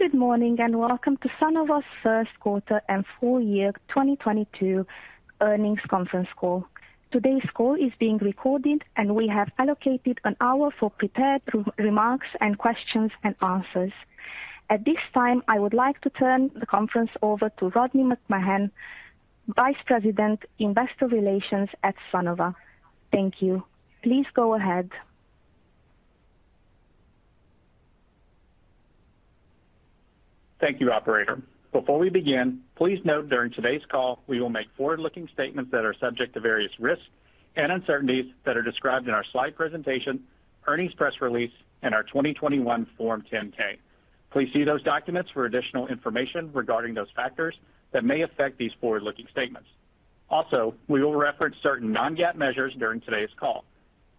Good morning, and welcome to Sunnova's Q1 and full year 2022 earnings conference call. Today's call is being recorded and we have allocated an hour for prepared remarks and questions and answers. At this time, I would like to turn the conference over to Rodney McMahan, Vice President, Investor Relations at Sunnova. Thank you. Please go ahead. Thank you, operator. Before we begin, please note during today's call, we will make forward-looking statements that are subject to various risks and uncertainties that are described in our slide presentation, earnings press release, and our 2021 Form 10-K. Please see those documents for additional information regarding those factors that may affect these forward-looking statements. Also, we will reference certain non-GAAP measures during today's call.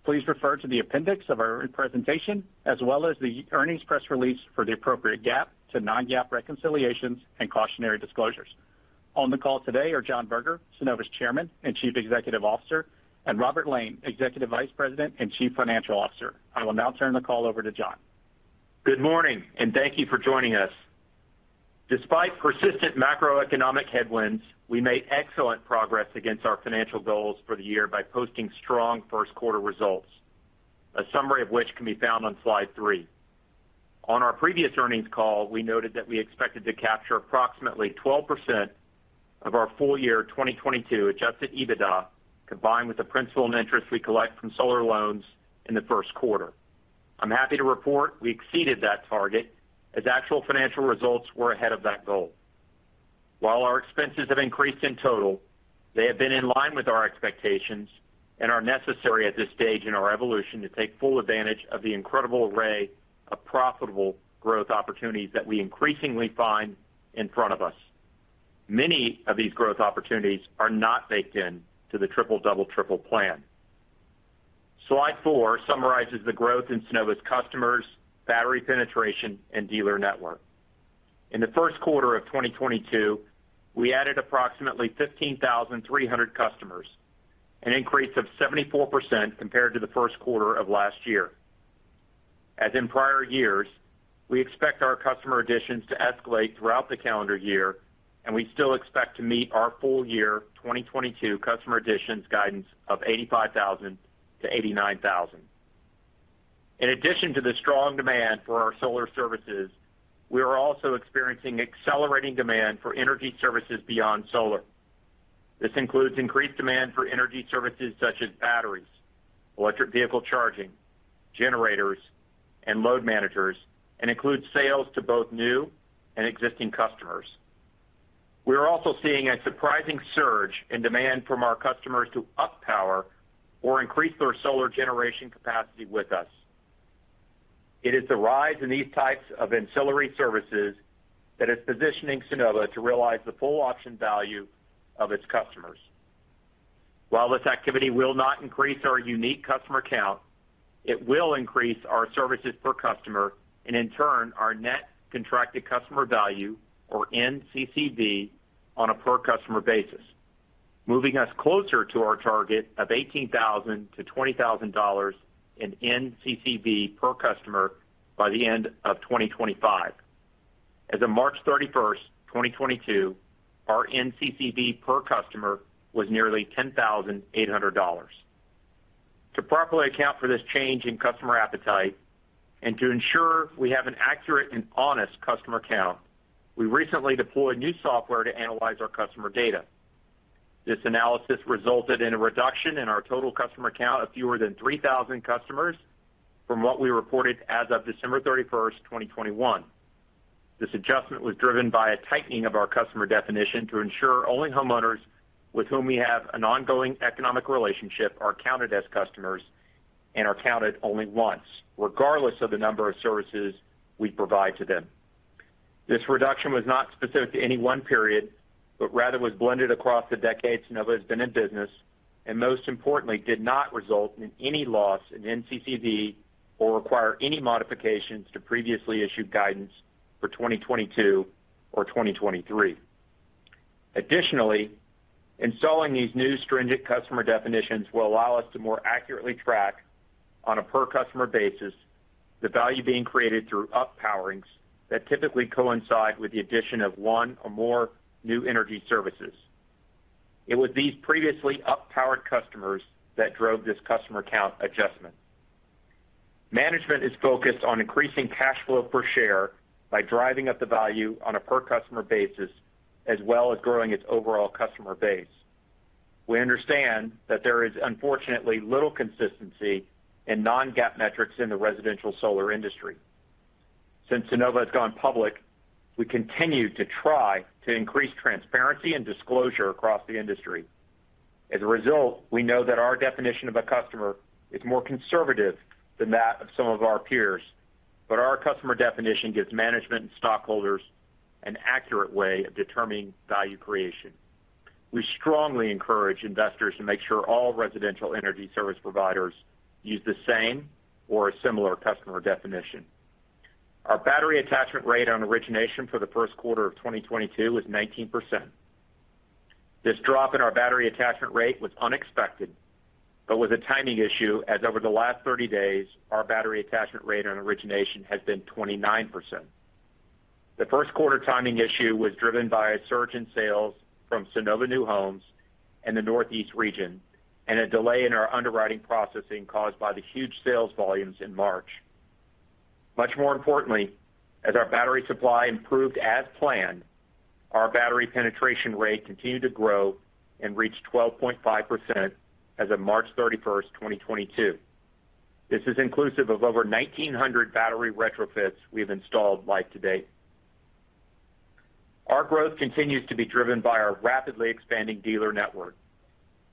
Please refer to the appendix of our presentation as well as the earnings press release for the appropriate GAAP to non-GAAP reconciliations and cautionary disclosures. On the call today are John Berger, Sunnova's Chairman and Chief Executive Officer, and Robert Lane, Executive Vice President and Chief Financial Officer. I will now turn the call over to John. Good morning, and thank you for joining us. Despite persistent macroeconomic headwinds, we made excellent progress against our financial goals for the year by posting strong Q1 results, a summary of which can be found on slide 3. On our previous earnings call, we noted that we expected to capture approximately 12% of our full year 2022 adjusted EBITDA, combined with the principal and interest we collect from solar loans in the Q1. I'm happy to report we exceeded that target as actual financial results were ahead of that goal. While our expenses have increased in total, they have been in line with our expectations and are necessary at this stage in our evolution to take full advantage of the incredible array of profitable growth opportunities that we increasingly find in front of us. Many of these growth opportunities are not baked into the Triple Double Triple plan. Slide 4 summarizes the growth in Sunnova's customers, battery penetration, and dealer network. In the Q1 of 2022, we added approximately 15,300 customers, an increase of 74% compared to the Q1 of last year. As in prior years, we expect our customer additions to escalate throughout the calendar year, and we still expect to meet our full-year 2022 customer additions guidance of 85,000-89,000. In addition to the strong demand for our solar services, we are also experiencing accelerating demand for energy services beyond solar. This includes increased demand for energy services such as batteries, electric vehicle charging, generators, and load managers, and includes sales to both new and existing customers. We are also seeing a surprising surge in demand from our customers to repower or increase their solar generation capacity with us. It is the rise in these types of ancillary services that is positioning Sunnova to realize the full option value of its customers. While this activity will not increase our unique customer count, it will increase our services per customer and in turn our net contracted customer value, or NCCV, on a per customer basis, moving us closer to our target of $18,000-$20,000 in NCCV per customer by the end of 2025. As of March 31, 2022, our NCCV per customer was nearly $10,800. To properly account for this change in customer appetite and to ensure we have an accurate and honest customer count, we recently deployed new software to analyze our customer data. This analysis resulted in a reduction in our total customer count of fewer than 3,000 customers from what we reported as of December 31, 2021. This adjustment was driven by a tightening of our customer definition to ensure only homeowners with whom we have an ongoing economic relationship are counted as customers and are counted only once, regardless of the number of services we provide to them. This reduction was not specific to any 1 period, but rather was blended across the decades Sunnova has been in business, and most importantly, did not result in any loss in NCCV or require any modifications to previously issued guidance for 2022 or 2023. Additionally, installing these new stringent customer definitions will allow us to more accurately track on a per customer basis the value being created through repowerings that typically coincide with the addition of 1 or more new energy services. It was these previously up-powered customers that drove this customer count adjustment. Management is focused on increasing cash flow per share by driving up the value on a per customer basis as well as growing its overall customer base. We understand that there is unfortunately little consistency in non-GAAP metrics in the residential solar industry. Since Sunnova has gone public, we continue to try to increase transparency and disclosure across the industry. As a result, we know that our definition of a customer is more conservative than that of some of our peers, but our customer definition gives management and stockholders an accurate way of determining value creation. We strongly encourage investors to make sure all residential energy service providers use the same or a similar customer definition. Our battery attachment rate on origination for the Q1 of 2022 was 19%. This drop in our battery attachment rate was unexpected, but was a timing issue as over the last 30 days, our battery attachment rate on origination has been 29%. The Q1 timing issue was driven by a surge in sales from Sunnova New Homes in the Northeast region and a delay in our underwriting processing caused by the huge sales volumes in March. Much more importantly, as our battery supply improved as planned, our battery penetration rate continued to grow and reached 12.5% as of March 31, 2022. This is inclusive of over 1,900 battery retrofits we have installed live to date. Our growth continues to be driven by our rapidly expanding dealer network,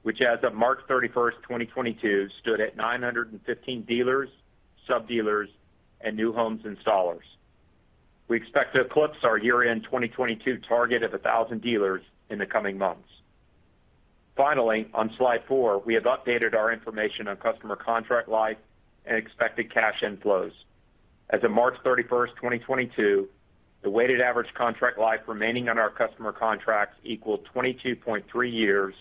which as of March 31, 2022, stood at 915 dealers, sub-dealers, and new home installers. We expect to eclipse our year-end 2022 target of 1,000 dealers in the coming months. Finally, on slide 4, we have updated our information on customer contract life and expected cash inflows. As of March 31, 2022, the weighted average contract life remaining on our customer contracts equalled 22.3 years,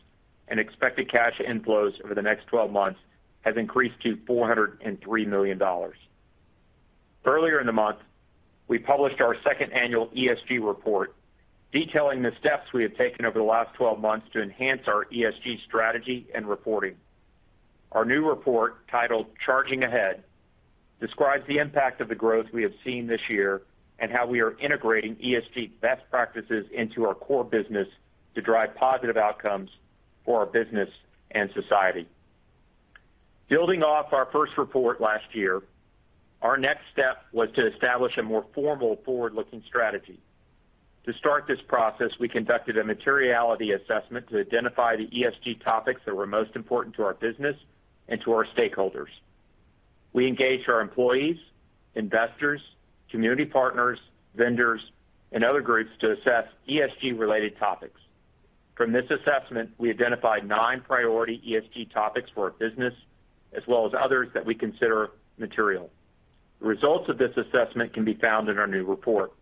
and expected cash inflows over the next 12 months has increased to $403 million. Earlier in the month, we published our second annual ESG report, detailing the steps we have taken over the last 12 months to enhance our ESG strategy and reporting. Our new report, titled Charging Ahead, describes the impact of the growth we have seen this year and how we are integrating ESG best practices into our core business to drive positive outcomes for our business and society. Building off our first report last year, our next step was to establish a more formal forward-looking strategy. To start this process, we conducted a materiality assessment to identify the ESG topics that were most important to our business and to our stakeholders. We engaged our employees, investors, community partners, vendors, and other groups to assess ESG-related topics. From this assessment, we identified 9 priority ESG topics for our business, as well as others that we consider material. The results of this assessment can be found in our new report.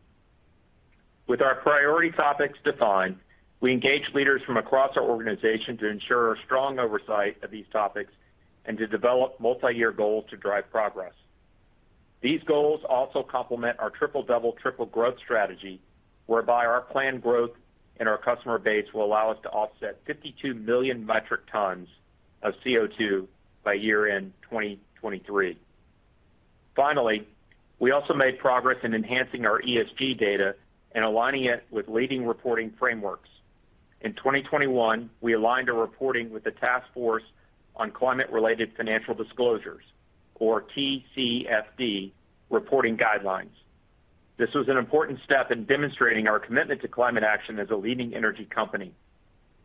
With our priority topics defined, we engaged leaders from across our organization to ensure a strong oversight of these topics and to develop multiyear goals to drive progress. These goals also complement our Triple Double Triple growth strategy, whereby our planned growth in our customer base will allow us to offset 52 million metric tonnes of CO2 by year-end 2023. Finally, we also made progress in enhancing our ESG data and aligning it with leading reporting frameworks. In 2021, we aligned our reporting with the Task Force on Climate-related Financial Disclosures, or TCFD, reporting guidelines. This was an important step in demonstrating our commitment to climate action as a leading energy company.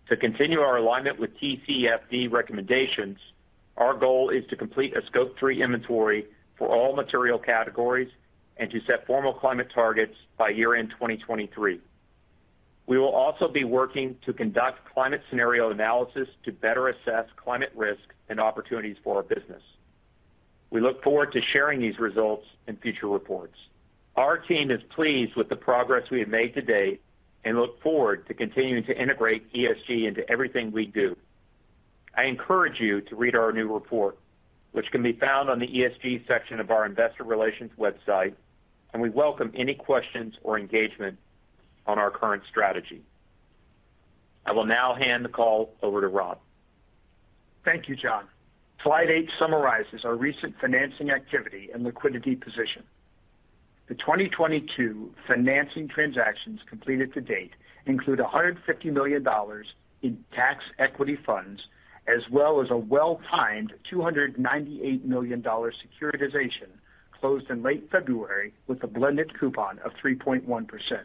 To continue our alignment with TCFD recommendations, our goal is to complete a Scope 3 inventory for all material categories and to set formal climate targets by year-end 2023. We will also be working to conduct climate scenario analysis to better assess climate risk and opportunities for our business. We look forward to sharing these results in future reports. Our team is pleased with the progress we have made to date and look forward to continuing to integrate ESG into everything we do. I encourage you to read our new report, which can be found on the ESG section of our investor relations website, and we welcome any questions or engagement on our current strategy. I will now hand the call over to Rob. Thank you, John. Slide 8 summarizes our recent financing activity and liquidity position. The 2022 financing transactions completed to date include $150 million in tax equity funds, as well as a well-timed $298 million securitization closed in late February with a blended coupon of 3.1%.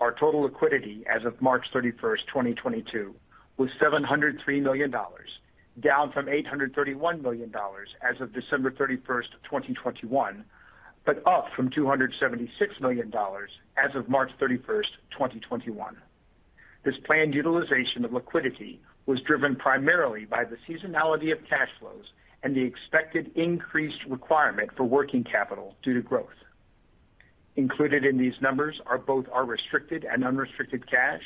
Our total liquidity as of March 31, 2022, was $703 million, down from $831 million as of December 31, 2021, but up from $276 million as of March 31, 2021. This planned utilization of liquidity was driven primarily by the seasonality of cash flows and the expected increased requirement for working capital due to growth. Included in these numbers are both our restricted and unrestricted cash,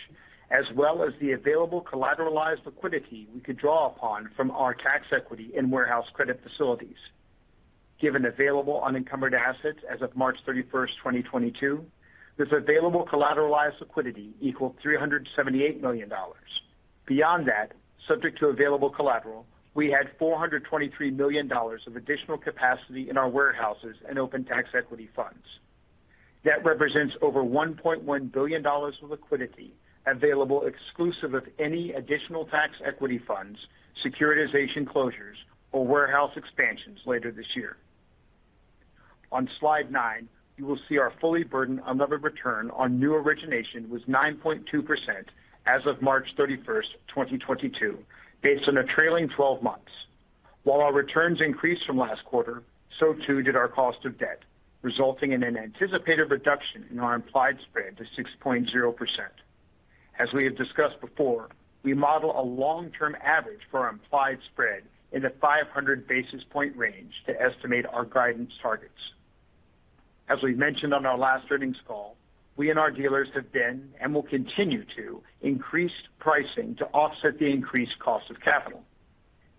as well as the available collateralized liquidity we could draw upon from our tax equity and warehouse credit facilities. Given available unencumbered assets as of March 31, 2022, this available collateralized liquidity equalled $378 million. Beyond that, subject to available collateral, we had $423 million of additional capacity in our warehouses and open tax equity funds. That represents over $1.1 billion of liquidity available exclusive of any additional tax equity funds, securitization closures, or warehouse expansions later this year. On slide 9, you will see our fully burdened unlevered return on new origination was 9.2% as of March 31, 2022, based on the trailing twelve months. While our returns increased from last quarter, so too did our cost of debt, resulting in an anticipated reduction in our implied spread to 6.0%. As we have discussed before, we model a long-term average for our implied spread in the 500 basis point range to estimate our guidance targets. As we mentioned on our last earnings call, we and our dealers have been and will continue to increase pricing to offset the increased cost of capital.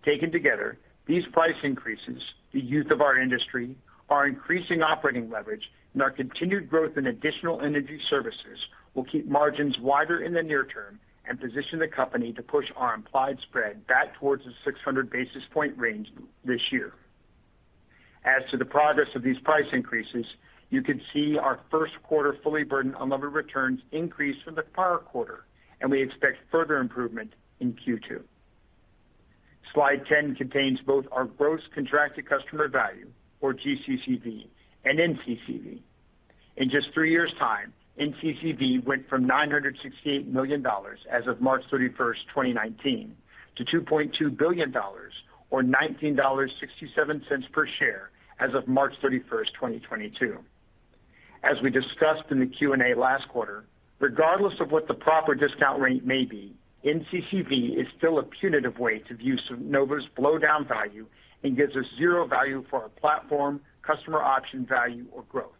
Taken together, these price increases, the use of our industry-leading operating leverage and our continued growth in additional energy services will keep margins wider in the near term and position the company to push our implied spread back towards the 600 basis point range this year. As to the progress of these price increases, you can see our Q1 fully burdened unlevered return increased from the prior quarter, and we expect further improvement in Q2. Slide 10 contains both our gross contracted customer value or GCCV and NCCV. In just 3 years' time, NCCV went from $968 million as of March 31, 2019 to $2.2 billion or $19.67 per share as of March 31st, 2022. As we discussed in the Q&A last quarter, regardless of what the proper discount rate may be, NCCV is still a putative way to view Sunnova's wind-down value and gives us zero value for our platform, customer option value or growth.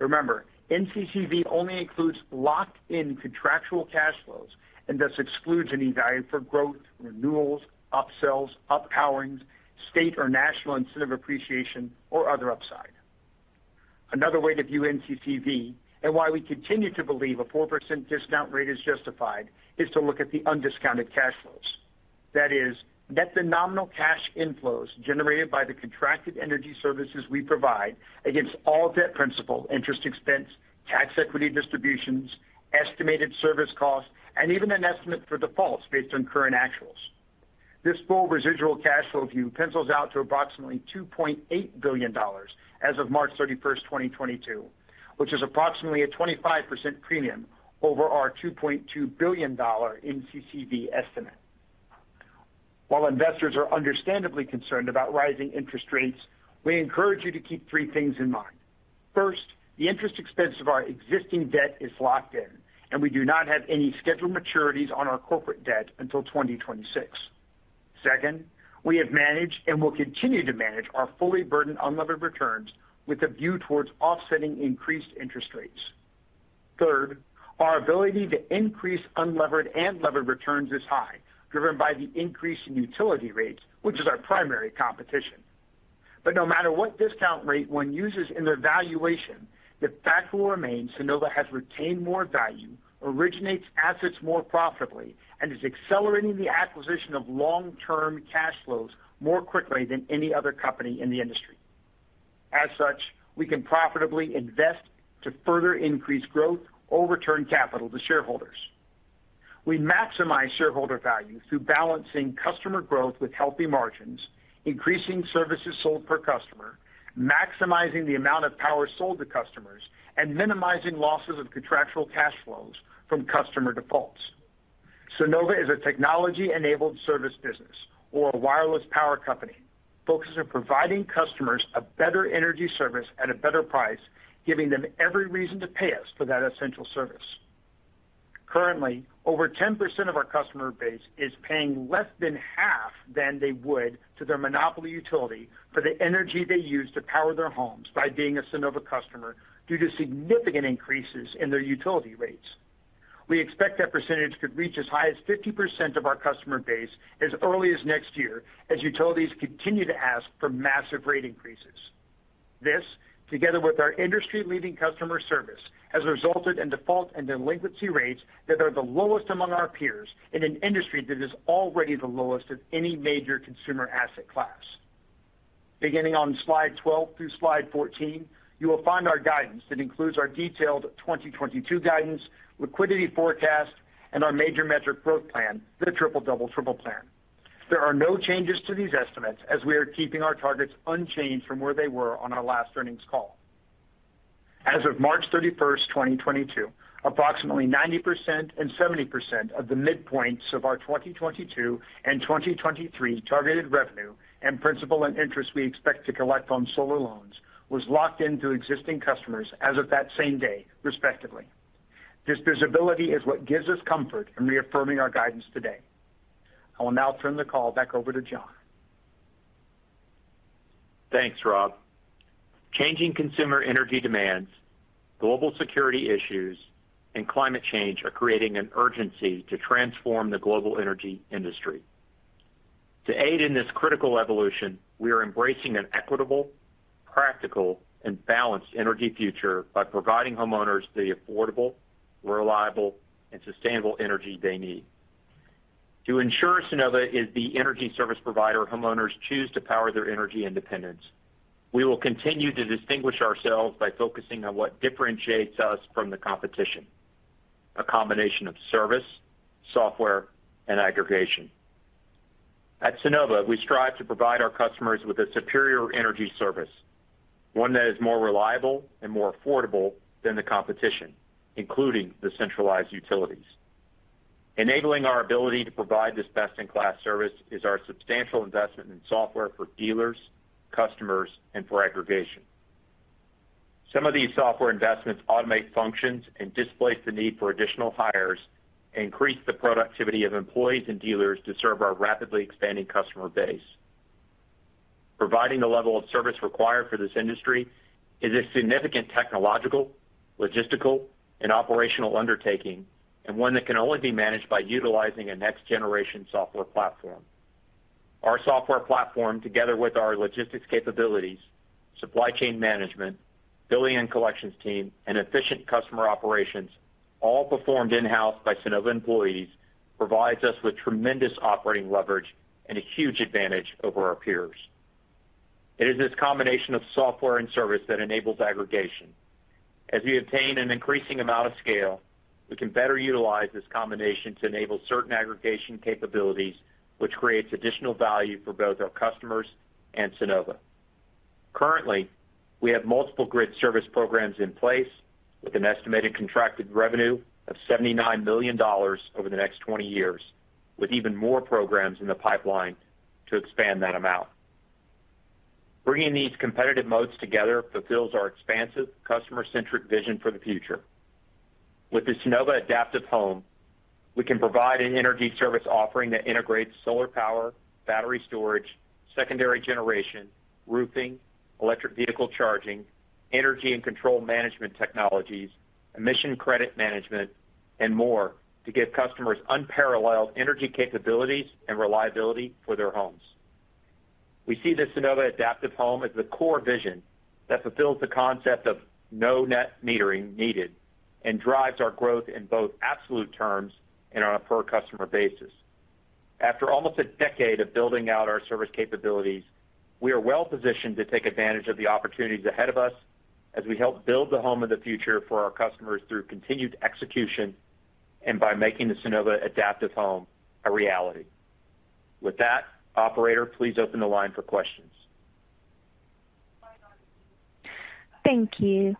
Remember, NCCV only includes locked-in contractual cash flows and thus excludes any value for growth, renewals, upsells, up-powering, state or national incentive appreciation or other upside. Another way to view NCCV and why we continue to believe a 4% discount rate is justified, is to look at the undiscounted cash flows. That is net the nominal cash inflows generated by the contracted energy services we provide against all debt principal interest expense, tax equity distributions, estimated service costs, and even an estimate for defaults based on current actuals. This full residual cash flow view pencils out to approximately $2.8 billion as of March 31st, 2022, which is approximately a 25% premium over our $2.2 billion dollar NCCV estimate. While investors are understandably concerned about rising interest rates, we encourage you to keep 3 things in mind. First, the interest expense of our existing debt is locked in, and we do not have any scheduled maturities on our corporate debt until 2026. Second, we have managed and will continue to manage our fully burdened unlevered return with a view towards offsetting increased interest rates. Third, our ability to increase unlevered and levered returns is high, driven by the increase in utility rates, which is our primary competition. No matter what discount rate 1 uses in their valuation, the fact will remain Sunnova has retained more value, originates assets more profitably, and is accelerating the acquisition of long-term cash flows more quickly than any other company in the industry. As such, we can profitably invest to further increase growth or return capital to shareholders. We maximize shareholder value through balancing customer growth with healthy margins, increasing services sold per customer, maximizing the amount of power sold to customers, and minimizing losses of contractual cash flows from customer defaults. Sunnova is a technology-enabled service business or a wireless power company, focused on providing customers a better energy service at a better price, giving them every reason to pay us for that essential service. Currently, over 10% of our customer base is paying less than half than they would to their monopoly utility for the energy they use to power their homes by being a Sunnova customer due to significant increases in their utility rates. We expect that percentage could reach as high as 50% of our customer base as early as next year as utilities continue to ask for massive rate increases. This, together with our industry-leading customer service, has resulted in default and delinquency rates that are the lowest among our peers in an industry that is already the lowest of any major consumer asset class. Beginning on slide 12 through slide 14, you will find our guidance that includes our detailed 2022 guidance, liquidity forecast, and our major metric growth plan, the Triple Double Triple plan. There are no changes to these estimates as we are keeping our targets unchanged from where they were on our last earnings call. As of March 31, 2022, approximately 90% and 70% of the midpoints of our 2022 and 2023 targeted revenue and principal and interest we expect to collect on solar loans was locked into existing customers as of that same day, respectively. This visibility is what gives us comfort in reaffirming our guidance today. I will now turn the call back over to John. Thanks, Rob. Changing consumer energy demands, global security issues, and climate change are creating an urgency to transform the global energy industry. To aid in this critical evolution, we are embracing an equitable, practical, and balanced energy future by providing homeowners the affordable, reliable, and sustainable energy they need. To ensure Sunnova is the energy service provider homeowners choose to power their energy independence, we will continue to distinguish ourselves by focusing on what differentiates us from the competition. A combination of service, software, and aggregation. At Sunnova, we strive to provide our customers with a superior energy service, 1 that is more reliable and more affordable than the competition, including the centralized utilities. Enabling our ability to provide this best-in-class service is our substantial investment in software for dealers, customers, and for aggregation. Some of these software investments automate functions and displace the need for additional hires. Increase the productivity of employees and dealers to serve our rapidly expanding customer base. Providing the level of service required for this industry is a significant technological, logistical and operational undertaking, and 1 that can only be managed by utilizing a next-generation software platform. Our software platform, together with our logistics capabilities, supply chain management, billing and collections team, and efficient customer operations, all performed in-house by Sunnova employees, provides us with tremendous operating leverage and a huge advantage over our peers. It is this combination of software and service that enables aggregation. As we obtain an increasing amount of scale, we can better utilize this combination to enable certain aggregation capabilities, which creates additional value for both our customers and Sunnova. Currently, we have multiple grid service programs in place with an estimated contracted revenue of $79 million over the next 20 years, with even more programs in the pipeline to expand that amount. Bringing these competitive modes together fulfills our expansive customer-centric vision for the future. With the Sunnova Adaptive Home, we can provide an energy service offering that integrates solar power, battery storage, secondary generation, roofing, electric vehicle charging, energy and control management technologies, emission credit management, and more to give customers unparalleled energy capabilities and reliability for their homes. We see the Sunnova Adaptive Home as the core vision that fulfills the concept of no net metering needed and drives our growth in both absolute terms and on a per-customer basis. After almost a decade of building out our service capabilities, we are well-positioned to take advantage of the opportunities ahead of us as we help build the home of the future for our customers through continued execution and by making the Sunnova Adaptive Home a reality. With that, operator, please open the line for questions. Thank you.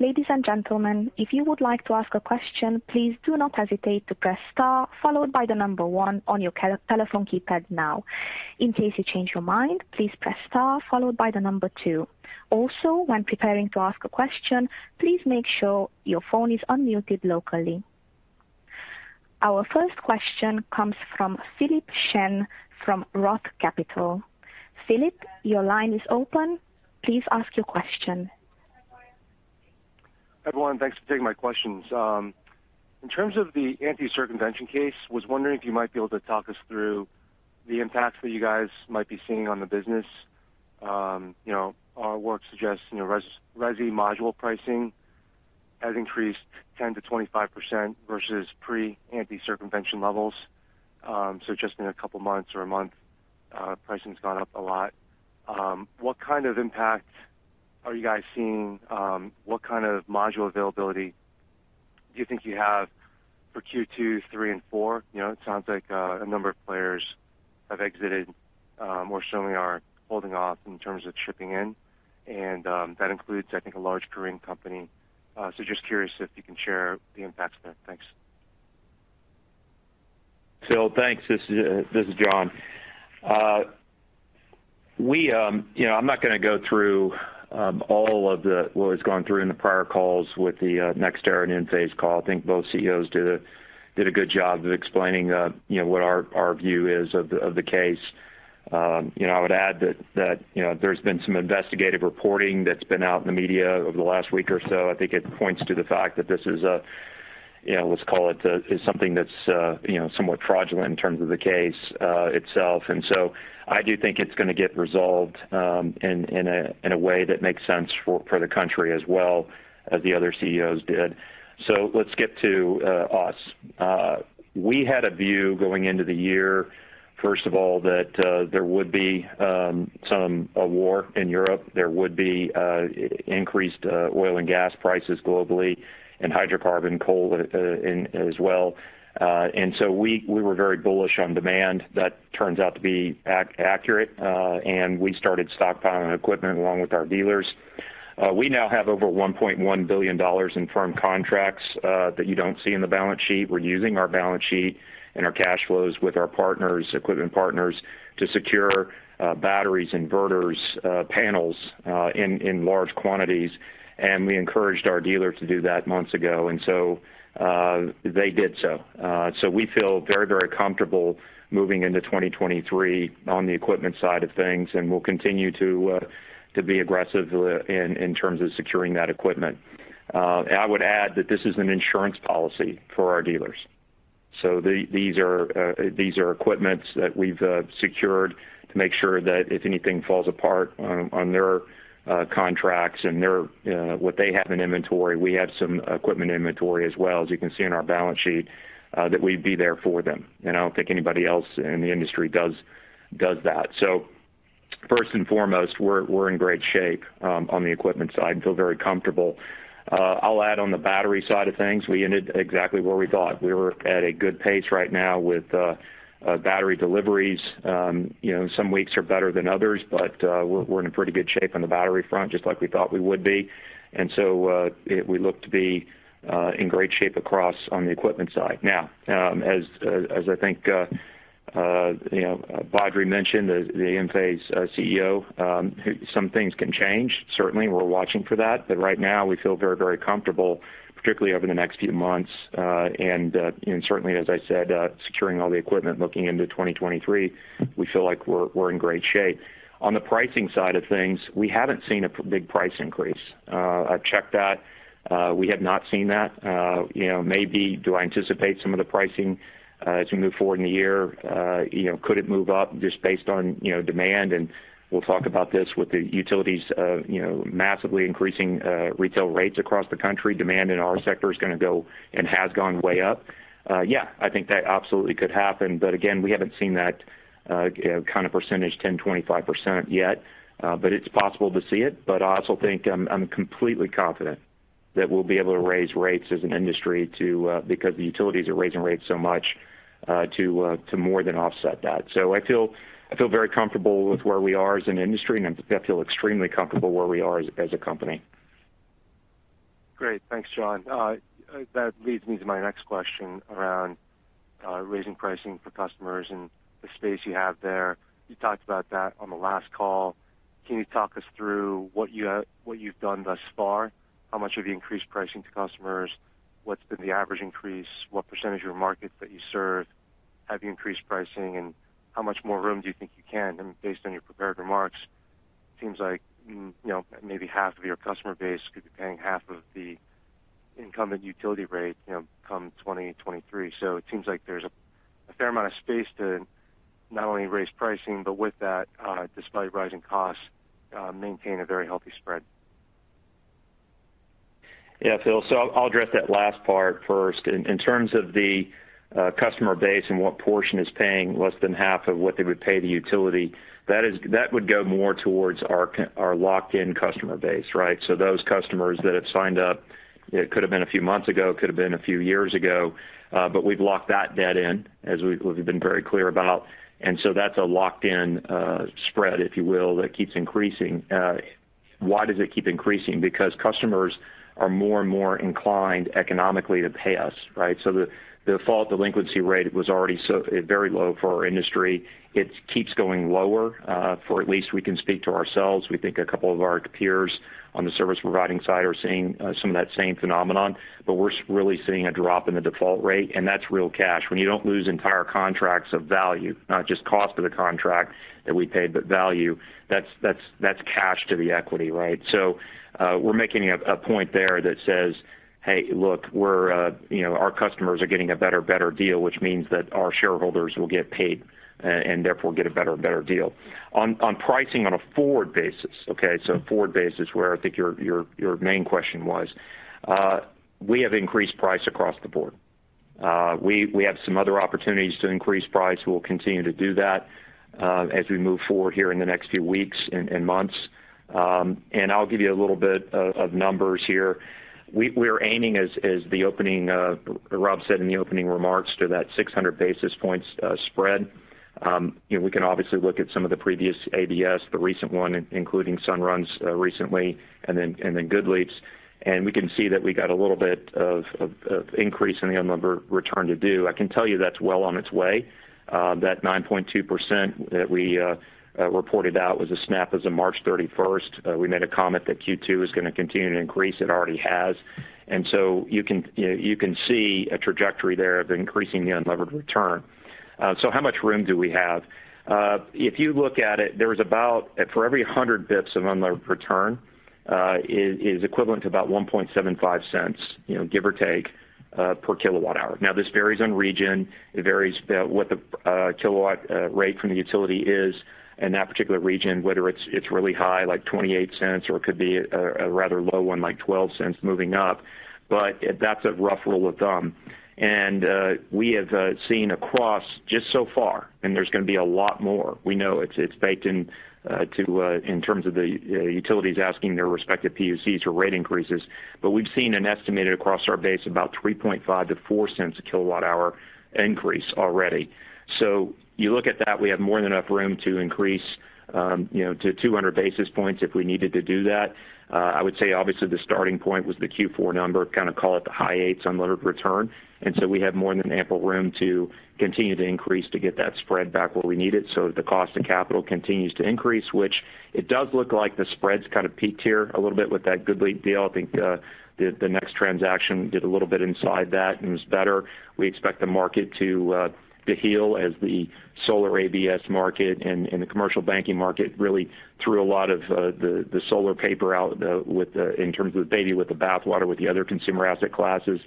Ladies and gentlemen, if you would like to ask a question, please do not hesitate to press star followed by the number 1 on your telephone keypad now. In case you change your mind, please press star followed by the number 2. Also, when preparing to ask a question, please make sure your phone is unmuted locally. Our first question comes from Philip Shen from Roth Capital. Philip, your line is open. Please ask your question. Everyone, thanks for taking my questions. In terms of the anti-circumvention case, was wondering if you might be able to talk us through the impacts that you guys might be seeing on the business. You know, our work suggests, you know, resi module pricing has increased 10%-25% versus pre-anti-circumvention levels. So just in a couple of months or a month, pricing's gone up a lot. What kind of impact are you guys seeing? What kind of module availability do you think you have for Q2, Q3 and Q4? You know, it sounds like a number of players have exited or certainly are holding off in terms of shipping in. That includes, I think, a large Korean company. So just curious if you can share the impacts there. Thanks. Phil, thanks. This is John. You know, I'm not gonna go through what was gone through in the prior calls with the NextEra and Enphase call. I think both CEOs did a good job of explaining, you know, what our view is of the case. You know, I would add that you know, there's been some investigative reporting that's been out in the media over the last week or so. I think it points to the fact that this is, you know, let's call it, something that's, you know, somewhat fraudulent in terms of the case itself. I do think it's gonna get resolved in a way that makes sense for the country as well as the other CEOs did. Let's get to us. We had a view going into the year, first of all, that there would be a war in Europe. There would be increased oil and gas prices globally and hydrocarbons, coal as well. We were very bullish on demand. That turns out to be accurate, and we started stockpiling equipment along with our dealers. We now have over $1.1 billion in firm contracts that you don't see in the balance sheet. We're using our balance sheet and our cash flows with our partners, equipment partners to secure batteries, inverters, panels in large quantities, and we encouraged our dealers to do that months ago. They did so. We feel very, very comfortable moving into 2023 on the equipment side of things, and we'll continue to be aggressive in terms of securing that equipment. I would add that this is an insurance policy for our dealers. These are equipment that we've secured to make sure that if anything falls apart on their contracts and their what they have in inventory, we have some equipment inventory as well, as you can see in our balance sheet, that we'd be there for them. I don't think anybody else in the industry does that. First and foremost, we're in great shape on the equipment side and feel very comfortable. I'll add on the battery side of things, we ended exactly where we thought. We were at a good pace right now with battery deliveries. You know, some weeks are better than others, but we're in pretty good shape on the battery front, just like we thought we would be. We look to be in great shape across on the equipment side. Now, as I think you know, Badri Kothandaraman mentioned the Enphase CEO, some things can change. Certainly, we're watching for that. Right now, we feel very, very comfortable, particularly over the next few months, and certainly, as I said, securing all the equipment looking into 2023, we feel like we're in great shape. On the pricing side of things, we haven't seen a big price increase. I've checked that. We have not seen that. You know, maybe do I anticipate some of the pricing as we move forward in the year? You know, could it move up just based on, you know, demand? We'll talk about this with the utilities, you know, massively increasing retail rates across the country. Demand in our sector is going to go and has gone way up. Yeah, I think that absolutely could happen. Again, we haven't seen that, you know, kind of 10%-25% yet. It's possible to see it. I also think I'm completely confident that we'll be able to raise rates as an industry to, because the utilities are raising rates so much, to more than offset that. I feel very comfortable with where we are as an industry, and I feel extremely comfortable where we are as a company. Great. Thanks, John. That leads me to my next question around raising pricing for customers and the space you have there. You talked about that on the last call. Can you talk us through what you've done thus far? How much have you increased pricing to customers? What's been the average increase? What percentage of your markets that you serve have you increased pricing, and how much more room do you think you can? And based on your prepared remarks, it seems like, you know, maybe half of your customer base could be paying half of the incumbent utility rate, you know, come 2023. It seems like there's a fair amount of space to not only raise pricing, but with that, despite rising costs, maintain a very healthy spread. Yeah, Phil. I'll address that last part first. In terms of the customer base and what portion is paying less than half of what they would pay the utility, that would go more towards our locked-in customer base, right? Those customers that have signed up, it could have been a few months ago, it could have been a few years ago, but we've locked that debt in as we've been very clear about. That's a locked-in spread, if you will, that keeps increasing. Why does it keep increasing? Because customers are more and more inclined economically to pay us, right? The default delinquency rate was already very low for our industry. It keeps going lower, for at least we can speak to ourselves. We think a couple of our peers on the service providing side are seeing some of that same phenomenon. We're really seeing a drop in the default rate, and that's real cash. When you don't lose entire contracts of value, not just cost of the contract that we paid, but value, that's cash to the equity, right? We're making a point there that says, "Hey, look, we're, you know, our customers are getting a better deal, which means that our shareholders will get paid and therefore get a better deal." On pricing on a forward basis, okay. Forward basis where I think your main question was, we have increased price across the board. We have some other opportunities to increase price. We'll continue to do that, as we move forward here in the next few weeks and months. I'll give you a little bit of numbers here. We are aiming as Rob said in the opening remarks to that 600 basis points spread. You know, we can obviously look at some of the previous ABS, the recent 1, including Sunrun's recently and then GoodLeap's. We can see that we got a little bit of increase in the unlevered return to equity. I can tell you that's well on its way. That 9.2% that we reported out was a snapshot as of March 31st. We made a comment that Q2 is gonna continue to increase. It already has. You can see a trajectory there of increasing the unlevered return. How much room do we have? If you look at it, there is about for every 100 basis points of unlevered return is equivalent to about $0.0175, you know, give or take, per kWh. Now, this varies by region. It varies by what the kilowatt rate from the utility is in that particular region, whether it's really high, like $0.28, or it could be a rather low 1 like $0.12 moving up. That's a rough rule of thumb. We have seen across just so far, and there's gonna be a lot more. We know it's baked in to in terms of the utilities asking their respective PUCs for rate increases. We've seen an estimated across our base about $0.035-$0.04/kWh increase already. You look at that, we have more than enough room to increase to 200 basis points if we needed to do that. I would say obviously the starting point was the Q4 number, kind of call it the high eights unlevered return. We have more than ample room to continue to increase to get that spread back where we need it so that the cost of capital continues to increase, which it does look like the spread's kind of peaked here a little bit with that GoodLeap deal. I think the next transaction did a little bit inside that and was better. We expect the market to heal as the solar ABS market and the commercial banking market really threw a lot of the solar paper out with the baby with the bathwater, with the other consumer asset classes,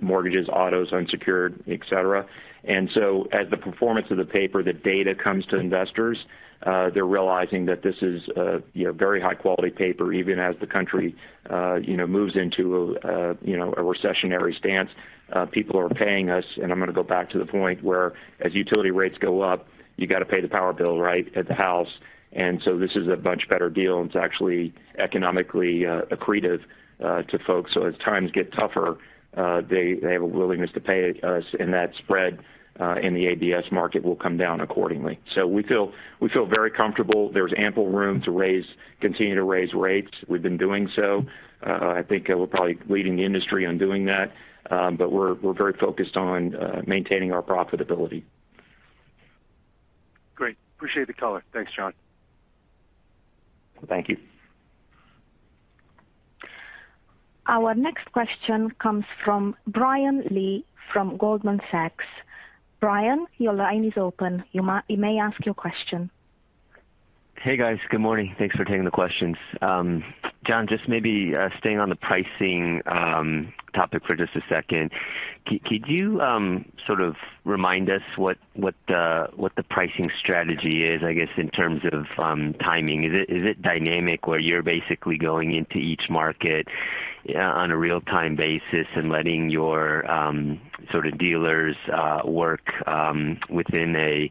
mortgages, autos, unsecured, et cetera. As the performance of the paper, the data comes to investors, they're realizing that this is, you know, very high-quality paper, even as the country, you know, moves into a, you know, a recessionary stance. People are paying us, and I'm gonna go back to the point where as utility rates go up, you got to pay the power bill, right, at the house. This is a much better deal. It's actually economically accretive to folks. As times get tougher, they have a willingness to pay us, and that spread in the ABS market will come down accordingly. We feel very comfortable. There's ample room to continue to raise rates. We've been doing so. I think we're probably leading the industry on doing that. We're very focused on maintaining our profitability. Appreciate the color. Thanks, John. Thank you. Our next question comes from Brian Lee from Goldman Sachs. Brian, your line is open. You may ask your question. Hey, guys. Good morning. Thanks for taking the questions. John, just maybe staying on the pricing topic for just a second. Could you sort of remind us what the pricing strategy is, I guess, in terms of timing? Is it dynamic where you're basically going into each market on a real time basis and letting your sort of dealers work within a you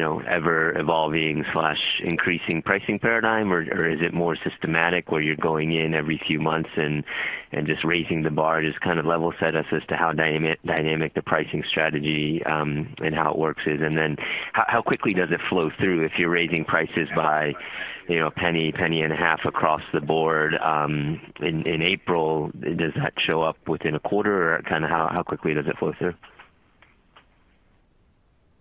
know ever evolving increasing pricing paradigm or is it more systematic where you're going in every few months and just raising the bar? Just kind of level set us as to how dynamic the pricing strategy and how it works is. How quickly does it flow through if you're raising prices by you know a penny and a half across the board in April? Does that show up within a quarter? Or kind of how quickly does it flow through?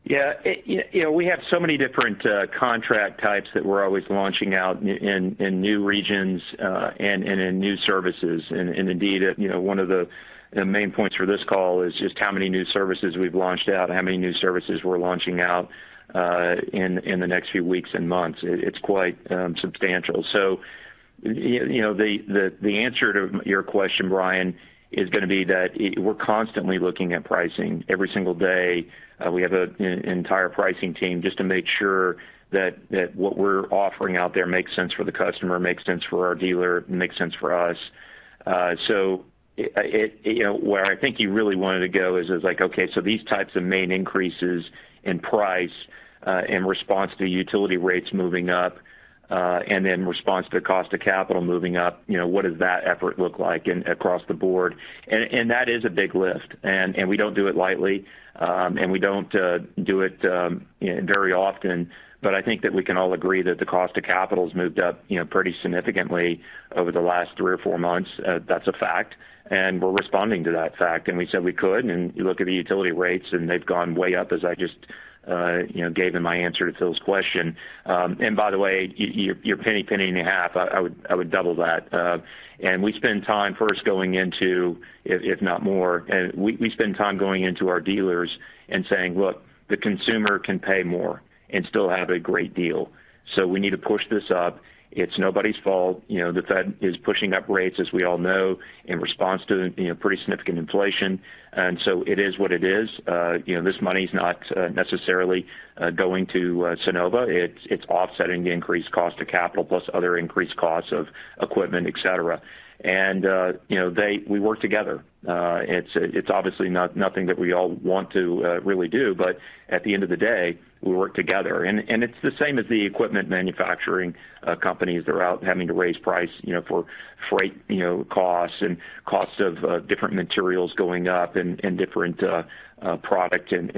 You know, we have so many different contract types that we're always launching out in new regions and in new services. Indeed, you know, 1 of the main points for this call is just how many new services we've launched out, how many new services we're launching out in the next few weeks and months. It's quite substantial. You know, the answer to your question, Brian, is that we're constantly looking at pricing. Every single day, we have an entire pricing team just to make sure that what we're offering out there makes sense for the customer, makes sense for our dealer, makes sense for us. You know, where I think you really wanted to go is like, okay, so these types of main increases in price, in response to utility rates moving up, and in response to cost of capital moving up, you know, what does that effort look like across the board? That is a big lift. We don't do it lightly, and we don't do it, you know, very often. I think that we can all agree that the cost of capital's moved up, you know, pretty significantly over the last 3 or4 months. That's a fact. We're responding to that fact, and we said we could. You look at the utility rates and they've gone way up as I just, you know, gave in my answer to Phil's question. By the way, your penny and a half, I would double that. We spend time going into our dealers and saying, "Look, the consumer can pay more and still have a great deal. So we need to push this up. It's nobody's fault. You know, the Fed is pushing up rates, as we all know, in response to you know, pretty significant inflation. And so it is what it is. You know, this money's not necessarily going to Sunnova. It's offsetting the increased cost of capital plus other increased costs of equipment, et cetera." You know, they, we work together. It's obviously not nothing that we all want to really do, but at the end of the day, we work together. It's the same as the equipment manufacturing companies that are out having to raise prices, you know, for freight costs and costs of different materials going up and different products and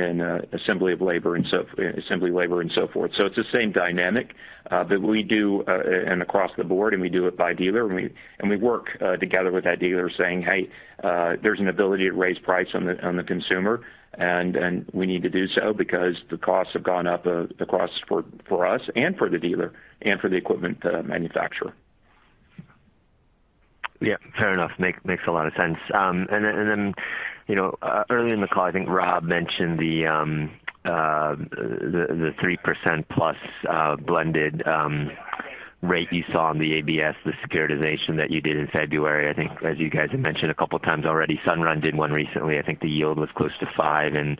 assembly labor and so forth. It's the same dynamic, but we do it across the board, and we do it by dealer when we... We work together with that dealer saying, "Hey, there's an ability to raise price on the, on the consumer, and we need to do so because the costs have gone up, the costs for us and for the dealer and for the equipment manufacturer. Yeah. Fair enough. Makes a lot of sense. Then you know early in the call, I think Robert mentioned the 3% plus blended rate you saw on the ABS, the securitization that you did in February. I think as you guys have mentioned a couple times already, Sunrun did 1 recently. I think the yield was close to 5%, and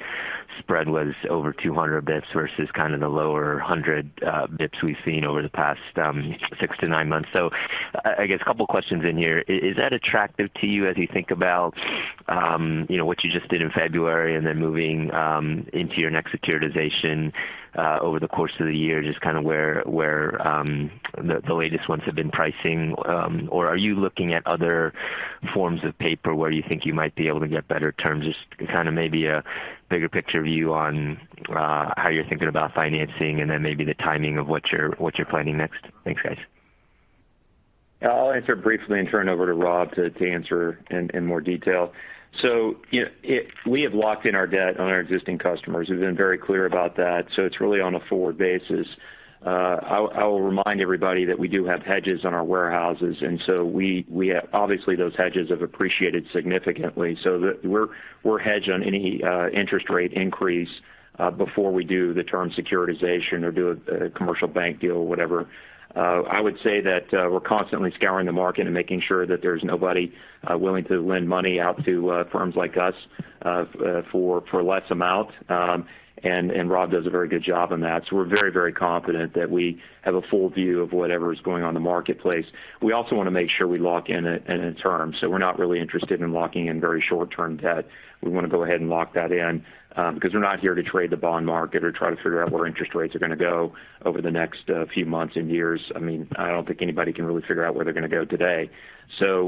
spread was over 200 basis points versus kind of the lower 100 basis points we've seen over the past 6-9 months. I guess couple questions in here. Is that attractive to you as you think about you know what you just did in February and then moving into your next securitization over the course of the year, just kind of where the latest ones have been pricing? Are you looking at other forms of paper where you think you might be able to get better terms? Just kind of maybe a bigger picture view on how you're thinking about financing and then maybe the timing of what you're planning next. Thanks, guys. I'll answer briefly and turn over to Rob to answer in more detail. We have locked in our debt on our existing customers. We've been very clear about that. It's really on a forward basis. I'll remind everybody that we do have hedges on our warehouses, and obviously those hedges have appreciated significantly. We're hedged on any interest rate increase before we do the term securitization or do a commercial bank deal, whatever. I would say that we're constantly scouring the market and making sure that there's nobody willing to lend money out to firms like us for less amount. Rob does a very good job on that. We're very, very confident that we have a full view of whatever is going on in the marketplace. We also wanna make sure we lock in a term. We're not really interested in locking in very short-term debt. We wanna go ahead and lock that in, because we're not here to trade the bond market or try to figure out where interest rates are gonna go over the next, few months and years. I mean, I don't think anybody can really figure out where they're gonna go today.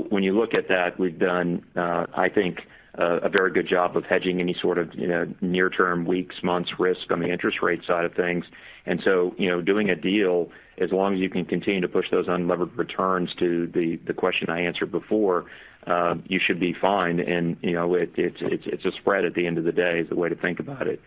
When you look at that, we've done, I think, a very good job of hedging any sort of, you know, near-term, weeks, months risk on the interest rate side of things. Doing a deal, as long as you can continue to push those unlevered return to the question I answered before, you should be fine. It's a spread at the end of the day, is the way to think about it.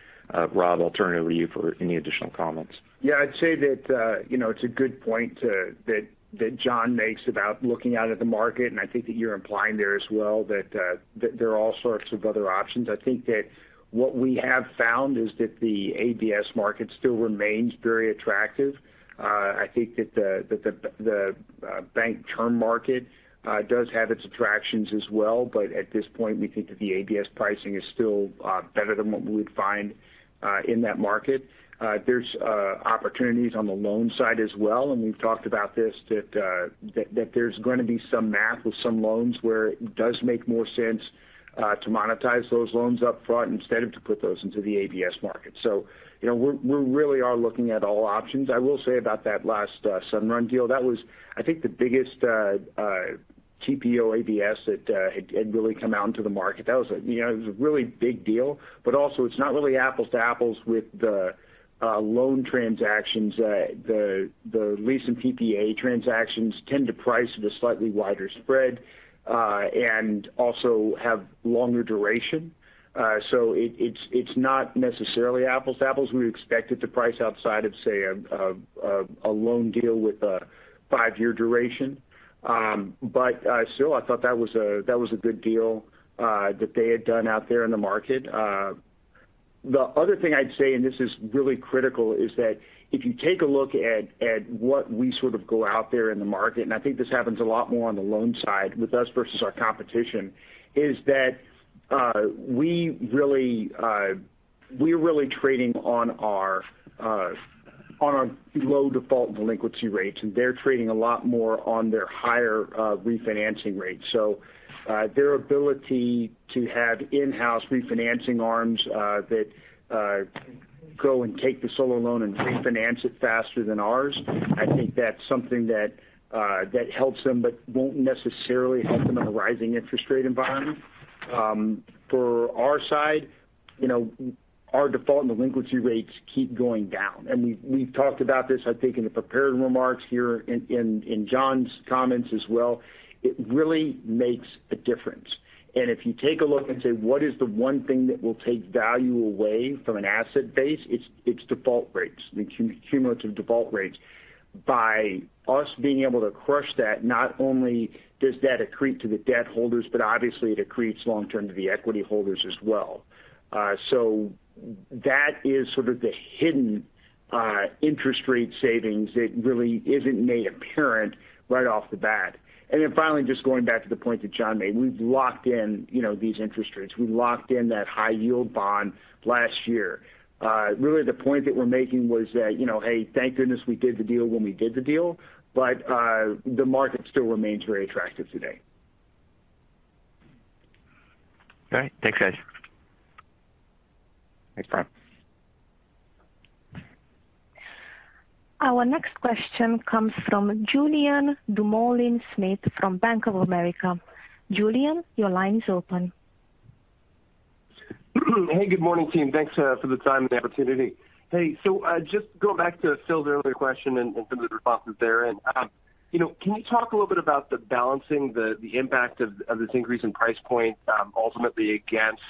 Rob, I'll turn it over to you for any additional comments. Yeah. I'd say that, you know, it's a good point that John makes about looking out at the market, and I think that you're implying there as well that there are all sorts of other options. I think that what we have found is that the ABS market still remains very attractive. I think that the bank term market does have its attractions as well, but at this point, we think that the ABS pricing is still better than what we would find in that market. There's opportunities on the loan side as well, and we've talked about this that there's gonna be some math with some loans where it does make more sense to monetize those loans up front instead of to put those into the ABS market. You know, we're really are looking at all options. I will say about that last Sunrun deal, that was, I think, the biggest. TPO ABS that had really come out into the market. That was a really big deal, but also it's not really apples to apples with the loan transactions. The lease and PPA transactions tend to price at a slightly wider spread and also have longer duration. It's not necessarily apples to apples. We expect it to price outside of, say, a loan deal with a 5-year duration. Still, I thought that was a good deal that they had done out there in the market. The other thing I'd say, and this is really critical, is that if you take a look at what we sort of go out there in the market, and I think this happens a lot more on the loan side with us versus our competition, is that we're really trading on our low default delinquency rates, and they're trading a lot more on their higher refinancing rates. Their ability to have in-house refinancing arms that go and take the solar loan and refinance it faster than ours, I think that's something that helps them but won't necessarily help them in a rising interest rate environment. For our side, you know, our default and delinquency rates keep going down. We've talked about this, I think, in the prepared remarks here in John's comments as well. It really makes a difference. If you take a look and say, what is the 1 thing that will take value away from an asset base, it's default rates, the cumulative default rates. By us being able to crush that, not only does that accrete to the debt holders, but obviously it accretes long term to the equity holders as well. So that is sort of the hidden interest rate savings that really isn't made apparent right off the bat. Then finally, just going back to the point that John made, we've locked in, you know, these interest rates. We locked in that high-yield bond last year. Really the point that we're making was that, you know, hey, thank goodness we did the deal when we did the deal, but, the market still remains very attractive today. All right. Thanks, guys. Thanks, Brian. Our next question comes from Julian Dumoulin-Smith from Bank of America. Julian, your line is open. Hey, good morning, team. Thanks for the time and the opportunity. Hey, so just going back to Phil's earlier question and some of the responses there, and you know, can you talk a little bit about balancing the impact of this increase in price point ultimately against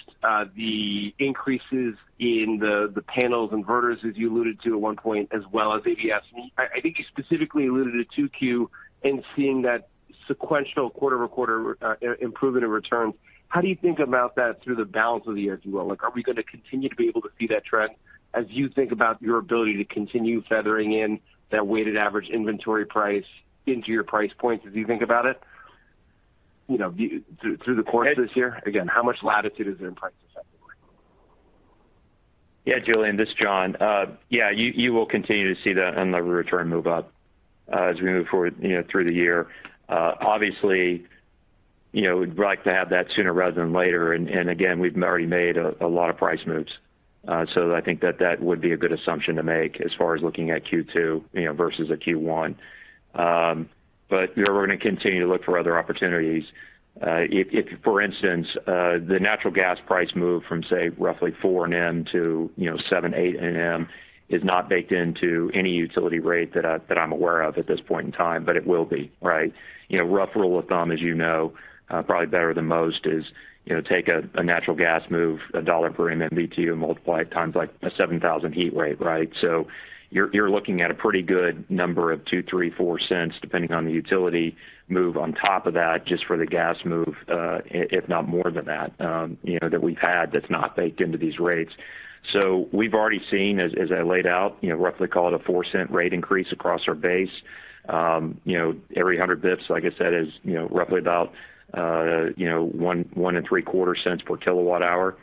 the increases in the panels, inverters, as you alluded to at 1 point, as well as ABS? I think you specifically alluded to Q2 and seeing that sequential quarter-over-quarter improvement in returns. How do you think about that through the balance of the year, if you will? Like, are we gonna continue to be able to see that trend as you think about your ability to continue feathering in that weighted average inventory price into your price points as you think about it, you know, through the course of this year? Again, how much latitude is there in pricing subsequently? Yeah, Julien Dumoulin-Smith, this is John Berger. You will continue to see the inventory return move up as we move forward, you know, through the year. Obviously, you know, we'd like to have that sooner rather than later. Again, we've already made a lot of price moves. I think that would be a good assumption to make as far as looking at Q2, you know, versus a Q1. We're gonna continue to look for other opportunities. If, for instance, the natural gas price move from, say, roughly $4 MMBtu to $7-$8 MMBtu is not baked into any utility rate that I'm aware of at this point in time, but it will be, right? You know, rough rule of thumb, as you know probably better than most is, you know, take a natural gas move, $1 per MMBtu, and multiply it times, like, a 7,000 heat rate, right? So you're looking at a pretty good number of $0.02, $0.03, $0.04, depending on the utility move on top of that just for the gas move, if not more than that, you know, that we've had that's not baked into these rates. We've already seen, as I laid out, you know, roughly call it a $0.04 rate increase across our base. You know, every 100 basis points, like I said, is, you know, roughly about 1 and 3 quarter cents per KWh.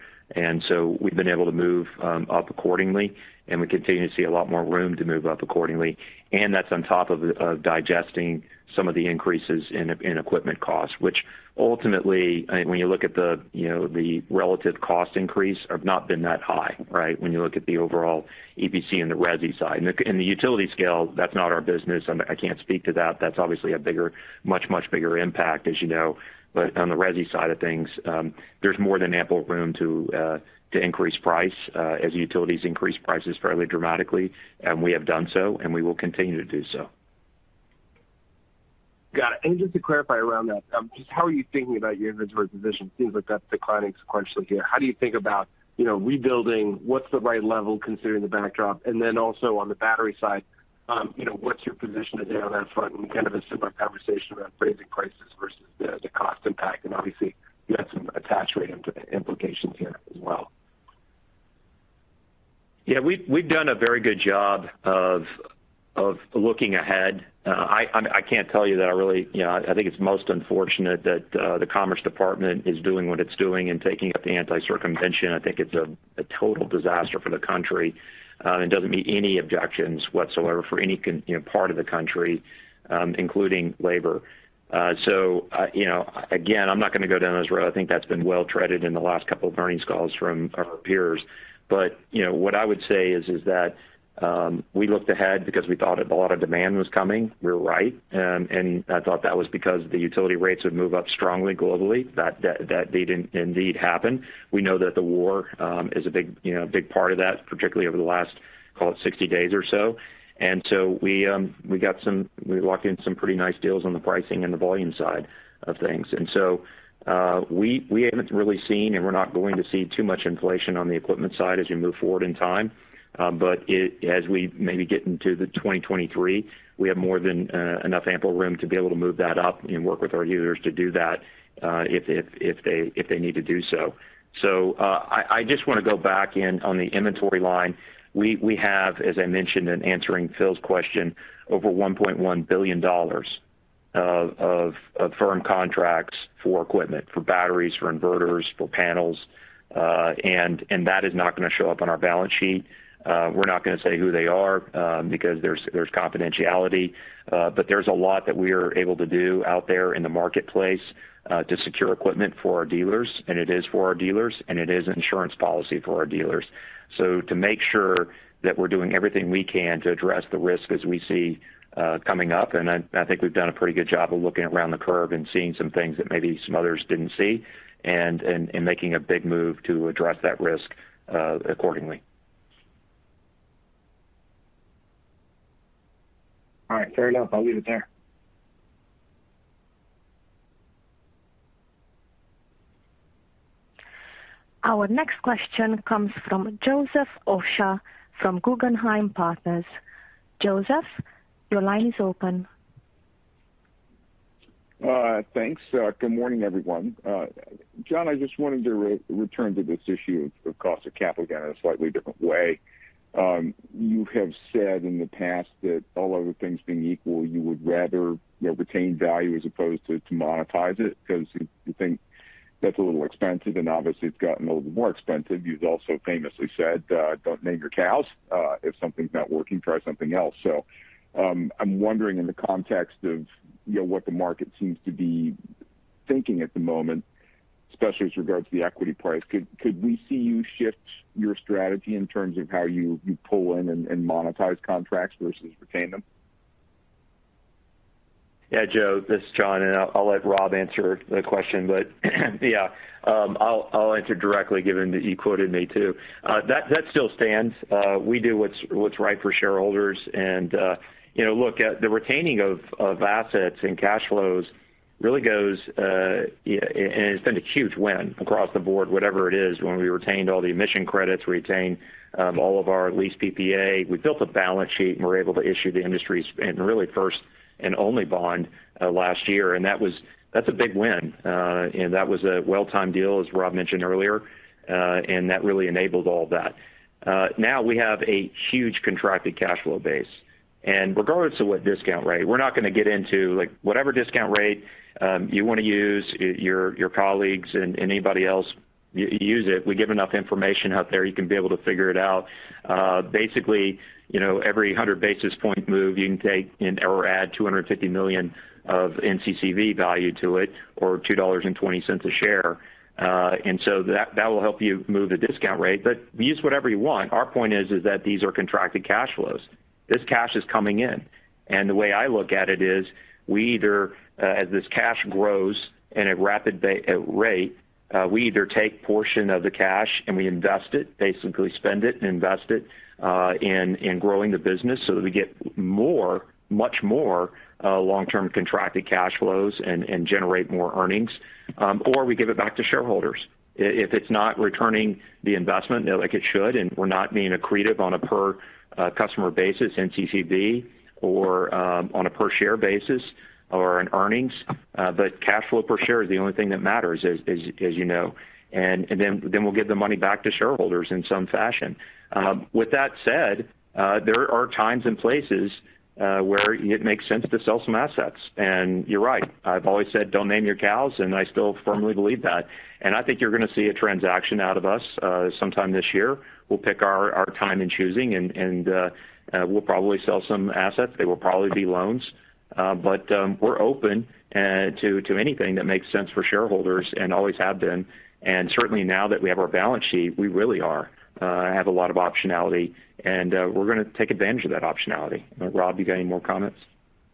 We've been able to move up accordingly, and we continue to see a lot more room to move up accordingly. That's on top of digesting some of the increases in equipment costs, which ultimately, and when you look at the, you know, the relative cost increase have not been that high, right? When you look at the overall EPC and the resi side. The utility scale, that's not our business. I can't speak to that. That's obviously a bigger much bigger impact, as you know. But on the resi side of things, there's more than ample room to increase price as utilities increase prices fairly dramatically. We have done so, and we will continue to do so. Got it. Just to clarify around that, just how are you thinking about your inventory position? It seems like that's declining sequentially here. How do you think about, you know, rebuilding, what's the right level considering the backdrop? Then also on the battery side, you know, what's your position today on that front and kind of a similar conversation around pricing prices versus the cost impact? Obviously you have some attach rate implications here as well. Yeah, we've done a very good job of looking ahead. You know, I think it's most unfortunate that the Commerce Department is doing what it's doing and taking up the anti-circumvention. I think it's a total disaster for the country and doesn't meet any objectives whatsoever for any part of the country, you know, including labour. You know, again, I'm not gonna go down this road. I think that's been well-trodden in the last couple of earnings calls from our peers. You know, what I would say is that we looked ahead because we thought a lot of demand was coming. We're right. I thought that was because the utility rates would move up strongly globally. That did indeed happen. We know that the war is a big, you know, a big part of that, particularly over the last, call it 60 days or so. We locked in some pretty nice deals on the pricing and the volume side of things. We haven't really seen, and we're not going to see too much inflation on the equipment side as we move forward in time. But as we maybe get into 2023, we have more than enough ample room to be able to move that up and work with our users to do that, if they need to do so. I just wanna go back in on the inventory line. We have, as I mentioned in answering Philip's question, over $1.1 billion of firm contracts for equipment, for batteries, for inverters, for panels, and that is not gonna show up on our balance sheet. We're not gonna say who they are, because there's confidentiality. But there's a lot that we are able to do out there in the marketplace to secure equipment for our dealers, and it is for our dealers, and it is insurance policy for our dealers. To make sure that we're doing everything we can to address the risk as we see coming up, and I think we've done a pretty good job of looking around the curve and seeing some things that maybe some others didn't see and making a big move to address that risk, accordingly. All right. Fair enough. I'll leave it there. Our next question comes from Joseph Osha from Guggenheim Securities. Joseph, your line is open. Thanks. Good morning, everyone. John, I just wanted to return to this issue of cost of capital again in a slightly different way. You have said in the past that all other things being equal, you would rather, you know, retain value as opposed to monetize it because you think that's a little expensive, and obviously it's gotten a little more expensive. You've also famously said, "Don't name your cows. If something's not working, try something else." I'm wondering in the context of, you know, what the market seems to be thinking at the moment, especially with regard to the equity price. Could we see you shift your strategy in terms of how you pull in and monetize contracts versus retain them? Yeah, Joseph Osha, this is John Berger, and I'll let Robert Lane answer the question. Yeah, I'll answer directly, given that you quoted me too. That still stands. We do what's right for shareholders. You know, look, the retaining of assets and cash flows really goes and has been a huge win across the board, whatever it is, when we retained all the emission credits, retained all of our leased PPA. We built a balance sheet, and we're able to issue the industry's and really first and only bond last year. That's a big win. That was a well-timed deal, as Robert Lane mentioned earlier. That really enabled all that. Now we have a huge contracted cash flow base. Regardless of what discount rate, we're not gonna get into like whatever discount rate you wanna use, your colleagues and anybody else, use it. We give enough information out there, you can be able to figure it out. Basically, you know, every 100 basis point move you can take or add $250 million of NCCV value to it or $2.20 a share. That will help you move the discount rate. Use whatever you want. Our point is that these are contracted cash flows. This cash is coming in. The way I look at it is, as this cash grows in a rapid rate, we either take portion of the cash and we invest it, basically spend it and invest it, in growing the business so that we get more, much more, long-term contracted cash flows and generate more earnings, or we give it back to shareholders. If it's not returning the investment like it should, and we're not being accretive on a per customer basis, NCCV or on a per share basis or in earnings. But cash flow per share is the only thing that matters, as you know. We'll give the money back to shareholders in some fashion. With that said, there are times and places where it makes sense to sell some assets. You're right. I've always said, "Don't name your cows," and I still firmly believe that. I think you're going to see a transaction out of us sometime this year. We'll pick our time in choosing and we'll probably sell some assets. They will probably be loans. We're open to anything that makes sense for shareholders and always have been. Certainly now that we have our balance sheet, we really have a lot of optionality, and we're gonna take advantage of that optionality. Rob, you got any more comments?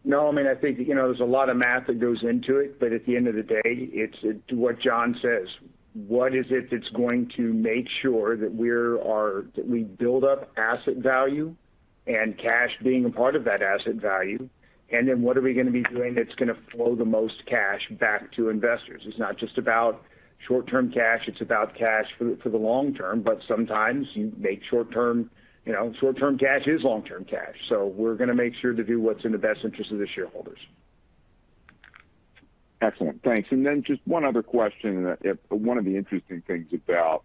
No. I mean, I think, you know, there's a lot of math that goes into it, but at the end of the day, it's what John says. What is it that's going to make sure that we build up asset value and cash being a part of that asset value? What are we gonna be doing that's gonna flow the most cash back to investors? It's not just about short-term cash, it's about cash for the long term, but sometimes you make short-term, you know, short-term cash is long-term cash. We're gonna make sure to do what's in the best interest of the shareholders. Excellent. Thanks. Then just 1 other question. 1 of the interesting things about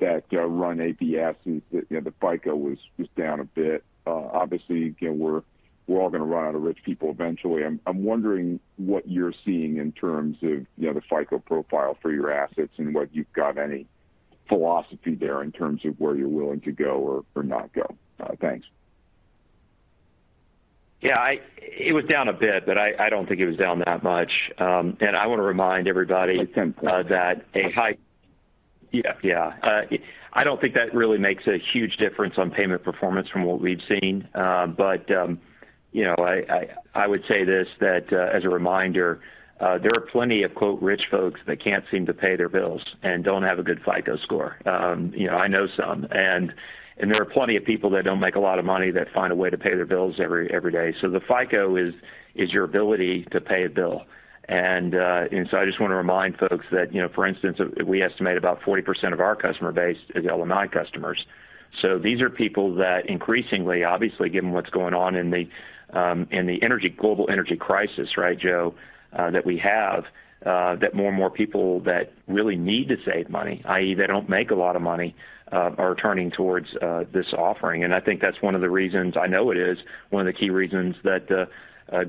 that run ABS is that the FICO was down a bit. Obviously, again, we're all gonna run out of rich people eventually. I'm wondering what you're seeing in terms of the FICO profile for your assets and whether you've got any philosophy there in terms of where you're willing to go or not go. Thanks. Yeah, it was down a bit, but I don't think it was down that much. I want to remind everybody- It's 10 points. I don't think that really makes a huge difference on payment performance from what we've seen. But you know, I would say this, that as a reminder, there are plenty of, quote, "rich folks" that can't seem to pay their bills and don't have a good FICO score. You know, I know some. There are plenty of people that don't make a lot of money that find a way to pay their bills every day. The FICO is your ability to pay a bill. I just want to remind folks that, you know, for instance, we estimate about 40% of our customer base is LMI customers. These are people that increasingly, obviously, given what's going on in the global energy crisis, right, Joe, that more and more people that really need to save money, i.e., they don't make a lot of money, are turning towards this offering. I think that's 1 of the reasons, I know it is, 1 of the key reasons that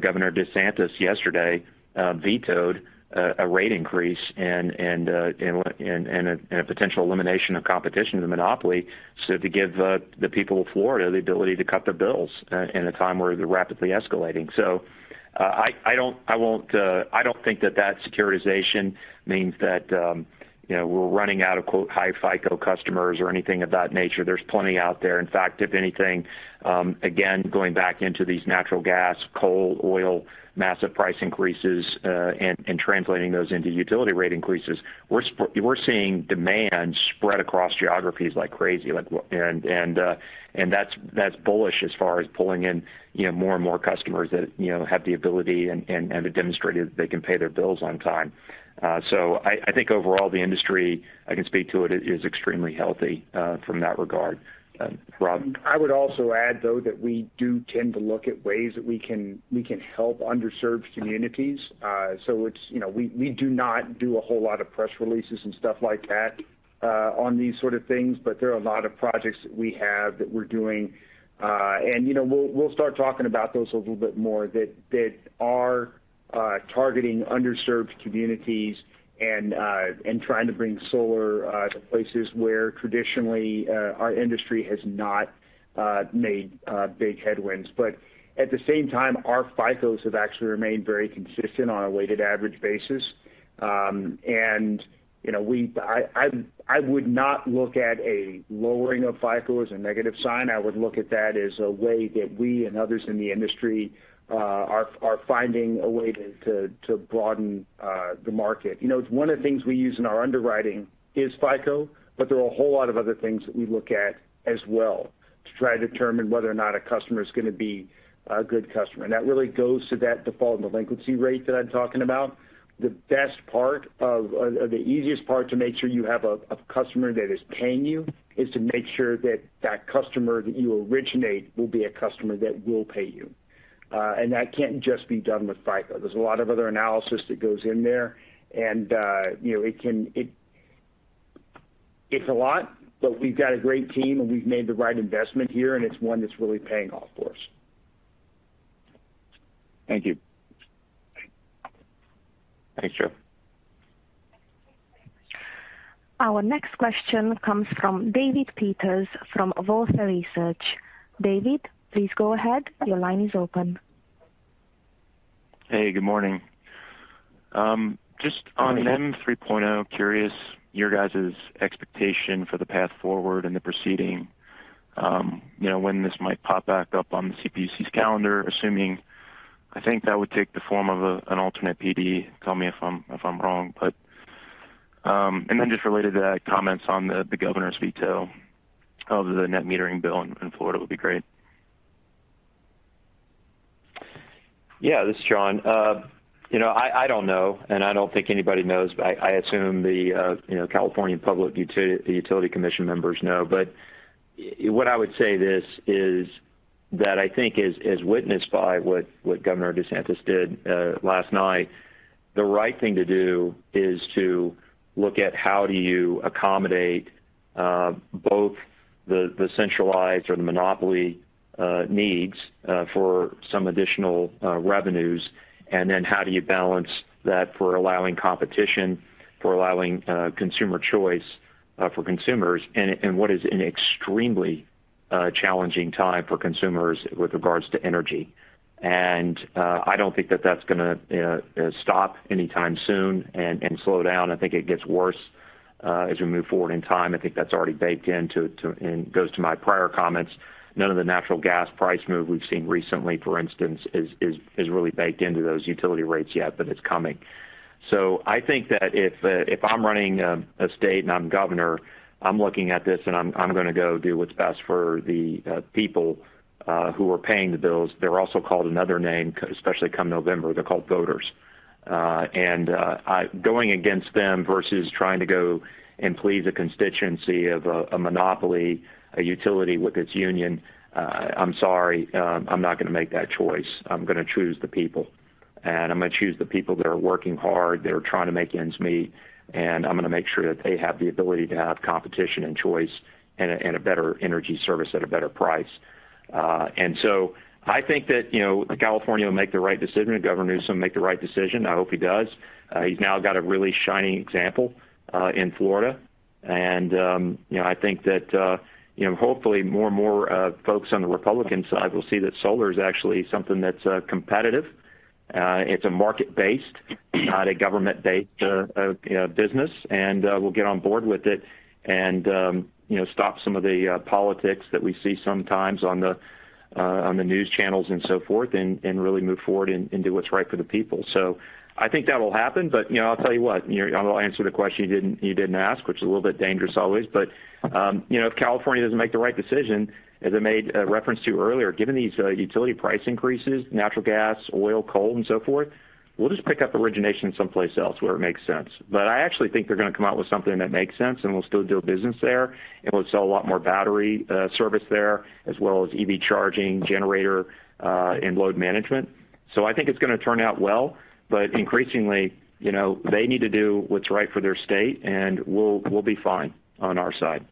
Governor DeSantis yesterday vetoed a rate increase and a potential elimination of competition to the monopoly, so to give the people of Florida the ability to cut their bills in a time where they're rapidly escalating. I don't think that securitization means that, you know, we're running out of, quote, "high FICO customers" or anything of that nature. There's plenty out there. In fact, if anything, again, going back into these natural gas, coal, oil, massive price increases, and translating those into utility rate increases, we're seeing demand spread across geographies like crazy. That's bullish as far as pulling in, you know, more and more customers that, you know, have the ability and have demonstrated that they can pay their bills on time. I think overall the industry, I can speak to it, is extremely healthy from that regard. Rob? I would also add, though, that we do tend to look at ways that we can help underserved communities. It's, you know, we do not do a whole lot of press releases and stuff like that on these sort of things, but there are a lot of projects that we have that we're doing, and, you know, we'll start talking about those a little bit more that are targeting underserved communities and trying to bring solar to places where traditionally our industry has not made big headway. At the same time, our FICOs have actually remained very consistent on a weighted average basis. You know, I would not look at a lowering of FICO as a negative sign. I would look at that as a way that we and others in the industry are finding a way to broaden the market. You know, 1 of the things we use in our underwriting is FICO, but there are a whole lot of other things that we look at as well to try to determine whether or not a customer is gonna be a good customer. That really goes to that default and delinquency rate that I'm talking about. The easiest part to make sure you have a customer that is paying you is to make sure that that customer that you originate will be a customer that will pay you. That can't just be done with FICO. There's a lot of other analysis that goes in there. You know, it can... It's a lot, but we've got a great team, and we've made the right investment here, and it's 1 that's really paying off for us. Thank you. Thanks, Joe. Our next question comes from David Peters from Wolfe Research. David, please go ahead. Your line is open. Hey, good morning. Just on NEM 3.0, curious your guys' expectation for the path forward and the proceeding, when this might pop back up on the CPUC's calendar, assuming I think that would take the form of an alternate PD. Call me if I'm wrong. Just related to that, comments on the governor's veto of the net metering bill in Florida would be great. Yeah. This is John. You know, I don't know, and I don't think anybody knows, but I assume the, you know, California Public Utilities Commission members know. But what I would say this is that I think as witnessed by what Governor DeSantis did last night, the right thing to do is to look at how do you accommodate both the centralized or the monopoly needs for some additional revenues, and then how do you balance that for allowing competition, for allowing consumer choice for consumers in what is an extremely challenging time for consumers with regards to energy. I don't think that that's gonna stop anytime soon and slow down. I think it gets worse as we move forward in time. I think that's already baked into and goes to my prior comments. None of the natural gas price move we've seen recently, for instance, is really baked into those utility rates yet, but it's coming. I think that if I'm running a state and I'm governor, I'm looking at this and I'm gonna go do what's best for the people who are paying the bills. They're also called another name, especially come November. They're called voters. Going against them versus trying to go and please a constituency of a monopoly, a utility with its union, I'm sorry, I'm not gonna make that choice. I'm gonna choose the people that are working hard, that are trying to make ends meet, and I'm gonna make sure that they have the ability to have competition and choice and a better energy service at a better price. I think that, you know, California will make the right decision, Governor Newsom will make the right decision. I hope he does. He's now got a really shining example in Florida. You know, I think that, you know, hopefully, more and more folks on the Republican side will see that solar is actually something that's competitive. It's a market-based, not a government-based, you know, business, and will get on board with it and, you know, stop some of the politics that we see sometimes on the news channels and so forth, and really move forward and do what's right for the people. I think that'll happen. You know, I'll tell you what, you know, I'll answer the question you didn't ask, which is a little bit dangerous always. You know, if California doesn't make the right decision, as I made a reference to earlier, given these utility price increases, natural gas, oil, coal, and so forth, we'll just pick up origination someplace else where it makes sense. I actually think they're gonna come out with something that makes sense, and we'll still do business there, and we'll sell a lot more battery service there, as well as EV charging, generator, and load management. I think it's gonna turn out well. Increasingly, you know, they need to do what's right for their state, and we'll be fine on our side.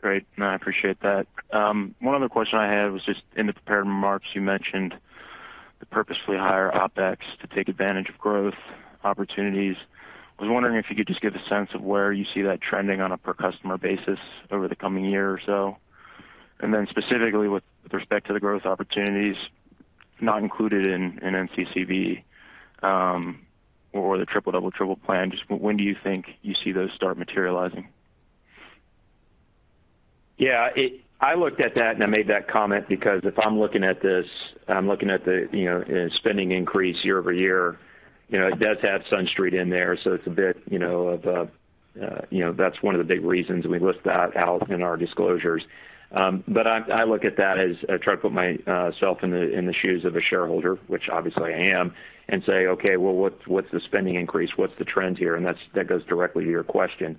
Great. No, I appreciate that. 1 other question I had was just in the prepared remarks, you mentioned to purposefully higher OpEx to take advantage of growth opportunities. I was wondering if you could just give a sense of where you see that trending on a per customer basis over the coming year or so. Specifically with respect to the growth opportunities not included in NCCV, or the Triple Double Triple plan, just when do you think you see those start materializing? Yeah. I looked at that, and I made that comment because if I'm looking at this, I'm looking at the, you know, spending increase year-over-year. You know, it does have SunStreet in there, so it's a bit, you know, of, you know, that's 1 of the big reasons, and we list that out in our disclosures. I look at that as I try to put myself in the shoes of a shareholder, which obviously I am, and say, "Okay, well, what's the spending increase? What's the trends here?" That goes directly to your question.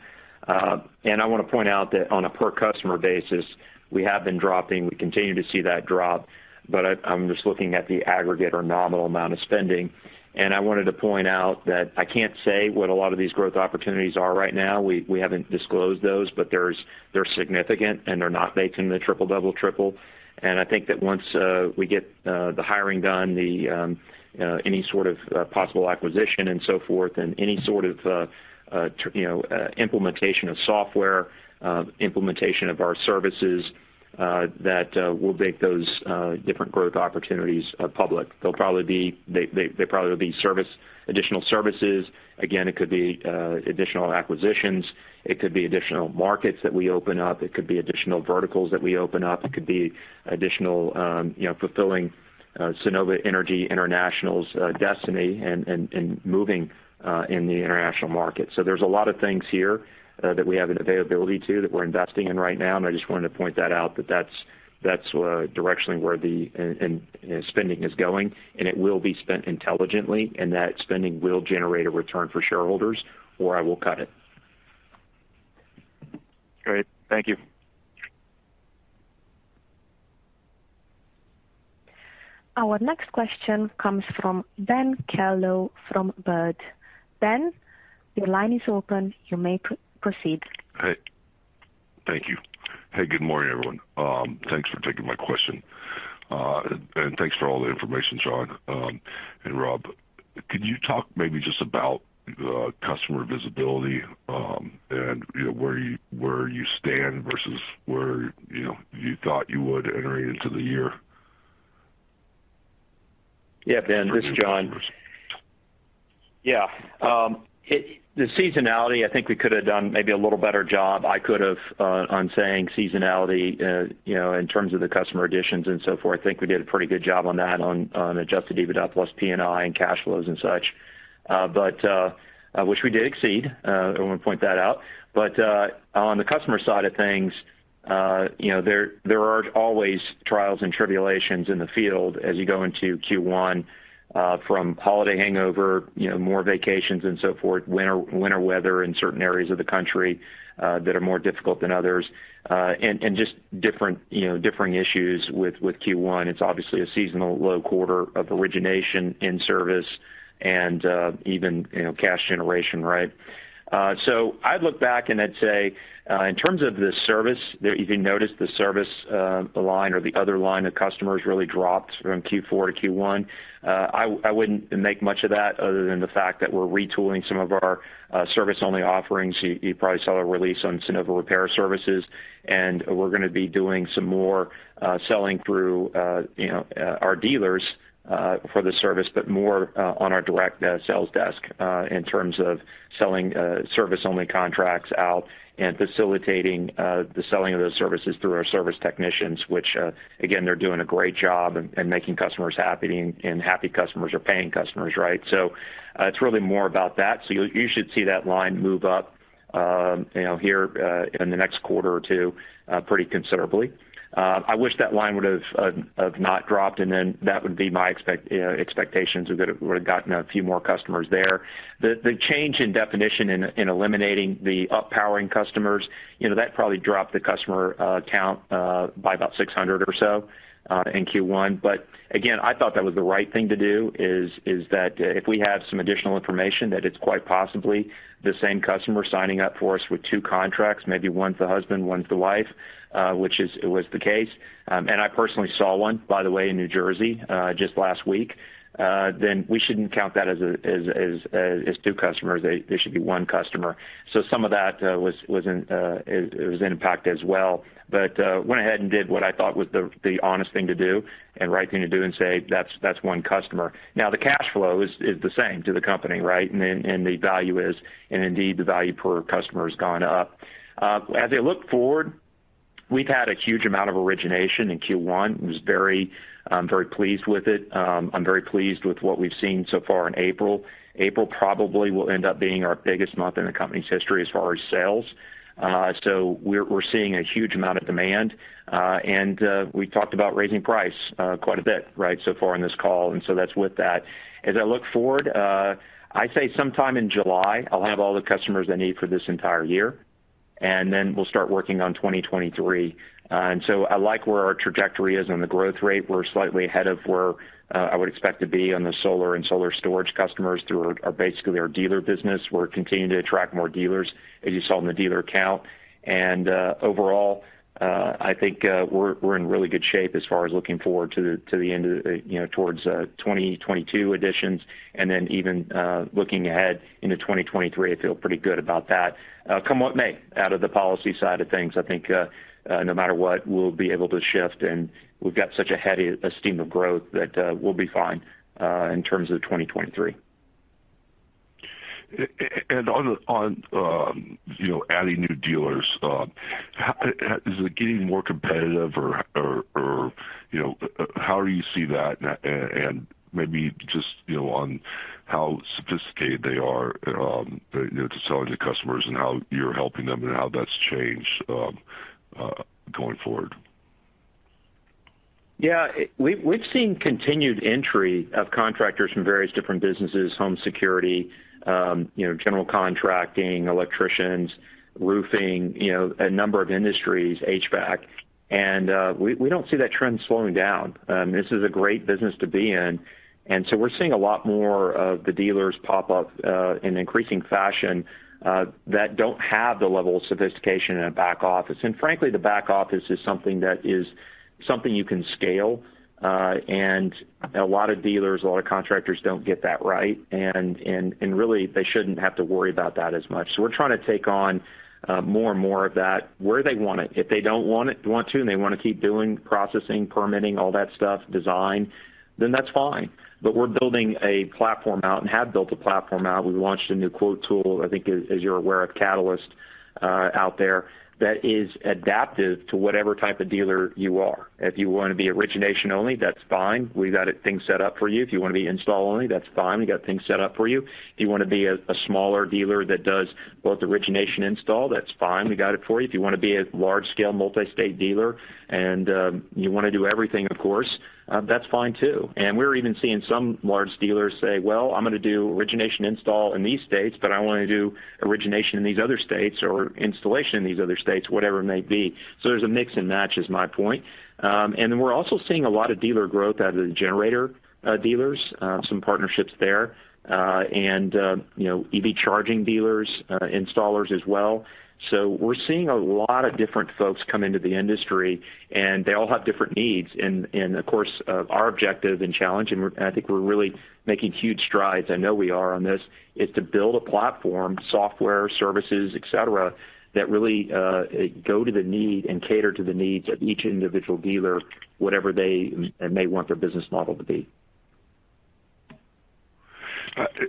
I wanna point out that on a per customer basis, we have been dropping. We continue to see that drop, but I'm just looking at the aggregate or nominal amount of spending. I wanted to point out that I can't say what a lot of these growth opportunities are right now. We haven't disclosed those, but they're significant, and they're not baked in the Triple Double Triple. I think that once we get the hiring done, any sort of possible acquisition and so forth and any sort of you know implementation of software, implementation of our services, that we'll make those different growth opportunities public. They'll probably be additional services. Again, it could be additional acquisitions. It could be additional markets that we open up. It could be additional verticals that we open up. It could be additional you know fulfilling Sunnova Energy International's destiny and moving in the international market. There's a lot of things here that we have an ability to, that we're investing in right now, and I just wanted to point that out, but that's directionally where the industry, you know, spending is going. It will be spent intelligently, and that spending will generate a return for shareholders, or I will cut it. Great. Thank you. Our next question comes from Ben Kallo from Baird. Ben, your line is open. You may proceed. Hey. Thank you. Hey, good morning, everyone. Thanks for taking my question, and thanks for all the information, John, and Rob. Can you talk maybe just about customer visibility, and you know, where you stand versus where you know, you thought you would entering into the year? Yeah, Ben, this is John. Yeah. The seasonality, I think we could have done maybe a little better job. I could have on saying seasonality, you know, in terms of the customer additions and so forth. I think we did a pretty good job on that, adjusted EBITDA plus P&I and cash flows and such, which we did exceed. I wanna point that out. But on the customer side of things, you know, there are always trials and tribulations in the field as you go into Q1, from holiday hangover, you know, more vacations and so forth, winter weather in certain areas of the country that are more difficult than others, and just different, you know, differing issues with Q1. It's obviously a seasonal low quarter of origination in service and, even, you know, cash generation, right? I'd look back and I'd say, in terms of the service there, if you noticed the service, line or the other line of customers really dropped from Q4 to Q1. I wouldn't make much of that other than the fact that we're retooling some of our service-only offerings. You probably saw a release on Sunnova Repair Services, and we're gonna be doing some more selling through you know our dealers for the service, but more on our direct sales desk in terms of selling service-only contracts out and facilitating the selling of those services through our service technicians, which again they're doing a great job and making customers happy, and happy customers are paying customers, right? It's really more about that. You should see that line move up you know here in the next quarter or 2 pretty considerably. I wish that line would've not dropped, and then that would be my you know, expectations. We would've gotten a few more customers there. The change in definition in eliminating the up-powering customers, you know, that probably dropped the customer count by about 600 or so in Q1. Again, I thought that was the right thing to do is that if we have some additional information that it's quite possibly the same customer signing up for us with 2 contracts, maybe one's the husband, one's the wife, which it was the case, and I personally saw 1, by the way, in New Jersey just last week, then we shouldn't count that as 2 customers. They should be 1 customer. Some of that was an impact as well. Went ahead and did what I thought was the honest thing to do and right thing to do and say, "That's 1 customer." Now, the cash flow is the same to the company, right? The value is, and indeed, the value per customer has gone up. As I look forward, we've had a huge amount of origination in Q1. Was very pleased with it. I'm very pleased with what we've seen so far in April. April probably will end up being our biggest month in the company's history as far as sales. We're seeing a huge amount of demand. We talked about raising price quite a bit, right, so far on this call, and so that's with that. As I look forward, I'd say sometime in July, I'll have all the customers I need for this entire year, and then we'll start working on 2023. I like where our trajectory is on the growth rate. We're slightly ahead of where I would expect to be on the solar and solar storage customers through our dealer business. We're continuing to attract more dealers, as you saw in the dealer count. Overall, I think we're in really good shape as far as looking forward, you know, towards 2022 additions and then even looking ahead into 2023, I feel pretty good about that. Come what may out of the policy side of things, I think, no matter what, we'll be able to shift, and we've got such a head of steam of growth that we'll be fine in terms of 2023. On the you know adding new dealers how is it getting more competitive or you know how do you see that? Maybe just you know on how sophisticated they are you know to selling to customers and how you're helping them and how that's changed going forward. Yeah. We've seen continued entry of contractors from various different businesses, home security, you know, general contracting, electricians, roofing, you know, a number of industries, HVAC, and we don't see that trend slowing down. This is a great business to be in, and so we're seeing a lot more of the dealers pop up in increasing fashion that don't have the level of sophistication in a back office. Frankly, the back office is something you can scale. A lot of dealers, a lot of contractors don't get that right. Really, they shouldn't have to worry about that as much. We're trying to take on more and more of that where they want it. If they don't want to, and they want to keep doing processing, permitting, all that stuff, design, then that's fine. We're building a platform out and have built a platform out. We launched a new quote tool, I think as you're aware, at Catalyst out there, that is adaptive to whatever type of dealer you are. If you wanna be origination only, that's fine. We got things set up for you. If you want to be install only, that's fine. We got things set up for you. If you wanna be a smaller dealer that does both origination install, that's fine. We got it for you. If you wanna be a large scale multi-state dealer and you wanna do everything, of course, that's fine too. We're even seeing some large dealers say, "Well, I'm going to do origination install in these states, but I wanna do origination in these other states or installation in these other states," whatever it may be. There's a mix and match is my point. We're also seeing a lot of dealer growth out of the Generac dealers, some partnerships there, and you know, EV charging dealers, installers as well. We're seeing a lot of different folks come into the industry, and they all have different needs. Of course, our objective and challenge, and I think we're really making huge strides, I know we are on this, is to build a platform, software, services, et cetera, that really go to the need and cater to the needs of each individual dealer, whatever they may want their business model to be.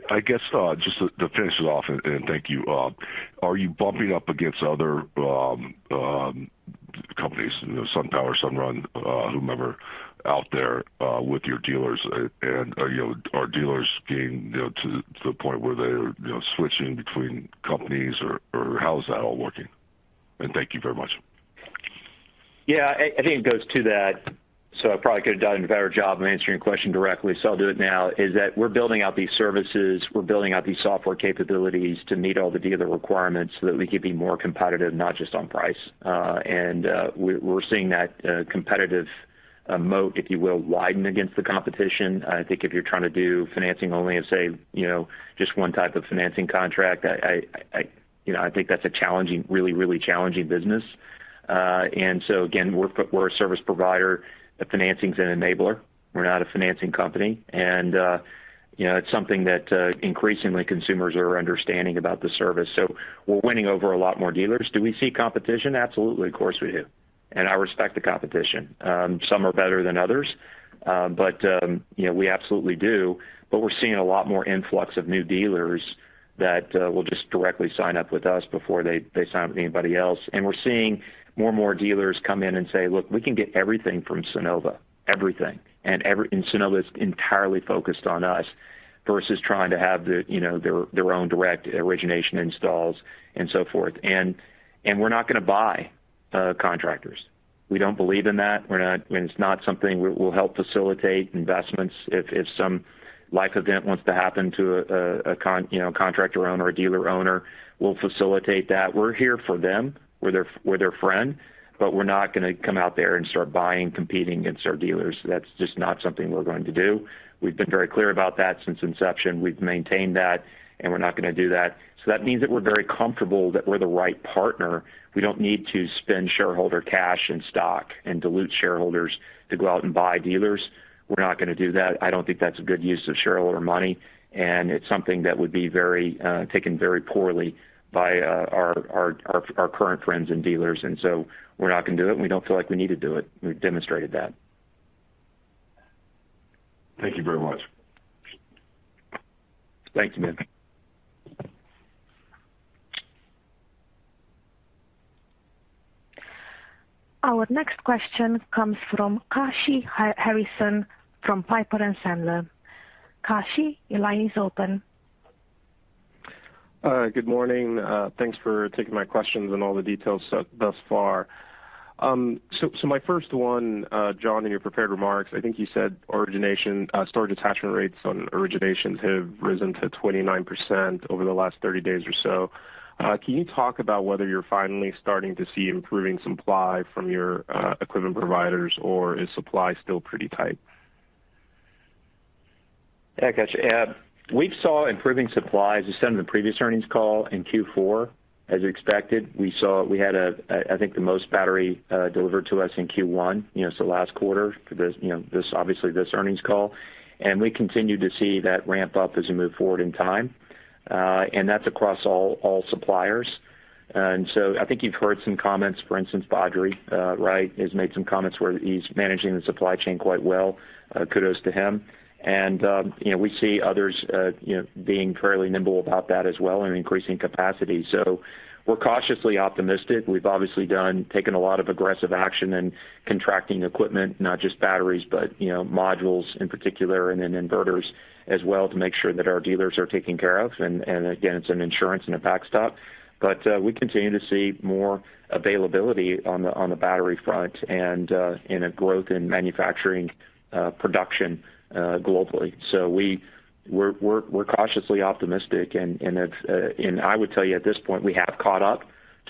I guess just to finish it off, and thank you. Are you bumping up against other companies, you know, SunPower, Sunrun, whomever out there with your dealers? You know, are dealers getting to the point where they're you know, switching between companies or how is that all working? Thank you very much. Yeah. I think it goes to that, so I probably could have done a better job of answering your question directly, so I'll do it now, is that we're building out these services. We're building out these software capabilities to meet all the dealer requirements so that we can be more competitive, not just on price. And we're seeing that competitive moat, if you will, widen against the competition. I think if you're trying to do financing only in, say, you know, just 1 type of financing contract, you know, I think that's a challenging, really challenging business. So again, we're a service provider. The financing is an enabler. We're not a financing company. You know, it's something that increasingly consumers are understanding about the service. So we're winning over a lot more dealers. Do we see competition? Absolutely. Of course, we do. I respect the competition. Some are better than others. You know, we absolutely do. We're seeing a lot more influx of new dealers that will just directly sign up with us before they sign up with anybody else. We're seeing more and more dealers come in and say, "Look, we can get everything from Sunnova, everything. And Sunnova is entirely focused on us," versus trying to have the, you know, their own direct origination installs and so forth. We're not gonna buy contractors. We don't believe in that. It's not something we'll help facilitate investments. If some life event wants to happen to a contractor, you know, a contractor owner or a dealer owner, we'll facilitate that. We're here for them. We're their friend, but we're not gonna come out there and start buying, competing against our dealers. That's just not something we're going to do. We've been very clear about that since inception. We've maintained that, and we're not gonna do that. That means that we're very comfortable that we're the right partner. We don't need to spend shareholder cash and stock and dilute shareholders to go out and buy dealers. We're not gonna do that. I don't think that's a good use of shareholder money, and it's something that would be very taken very poorly by our current friends and dealers. We're not gonna do it, and we don't feel like we need to do it. We've demonstrated that. Thank you very much. Thank you, man. Our next question comes from Kashy Harrison from Piper Sandler. Kashy, your line is open. Good morning. Thanks for taking my questions and all the details thus far. My first 1, John, in your prepared remarks, I think you said origination storage attachment rates on originations have risen to 29% over the last 30 days or so. Can you talk about whether you're finally starting to see improving supply from your equipment providers, or is supply still pretty tight? Yeah, gotcha. We saw improving supplies as said in the previous earnings call in Q4. As expected, I think the most batteries delivered to us in Q1, you know, so last quarter for this, you know, this obviously this earnings call. We continue to see that ramp up as we move forward in time. That's across all suppliers. I think you've heard some comments, for instance, Badri, right, has made some comments where he's managing the supply chain quite well. Kudos to him. We see others, you know, being fairly nimble about that as well and increasing capacity. We're cautiously optimistic. We've obviously taken a lot of aggressive action in contracting equipment, not just batteries, but you know, modules in particular and then inverters as well to make sure that our dealers are taken care of. Again, it's an insurance and a backstop. We continue to see more availability on the battery front and in growth in manufacturing production globally. We're cautiously optimistic and I would tell you at this point, we have caught up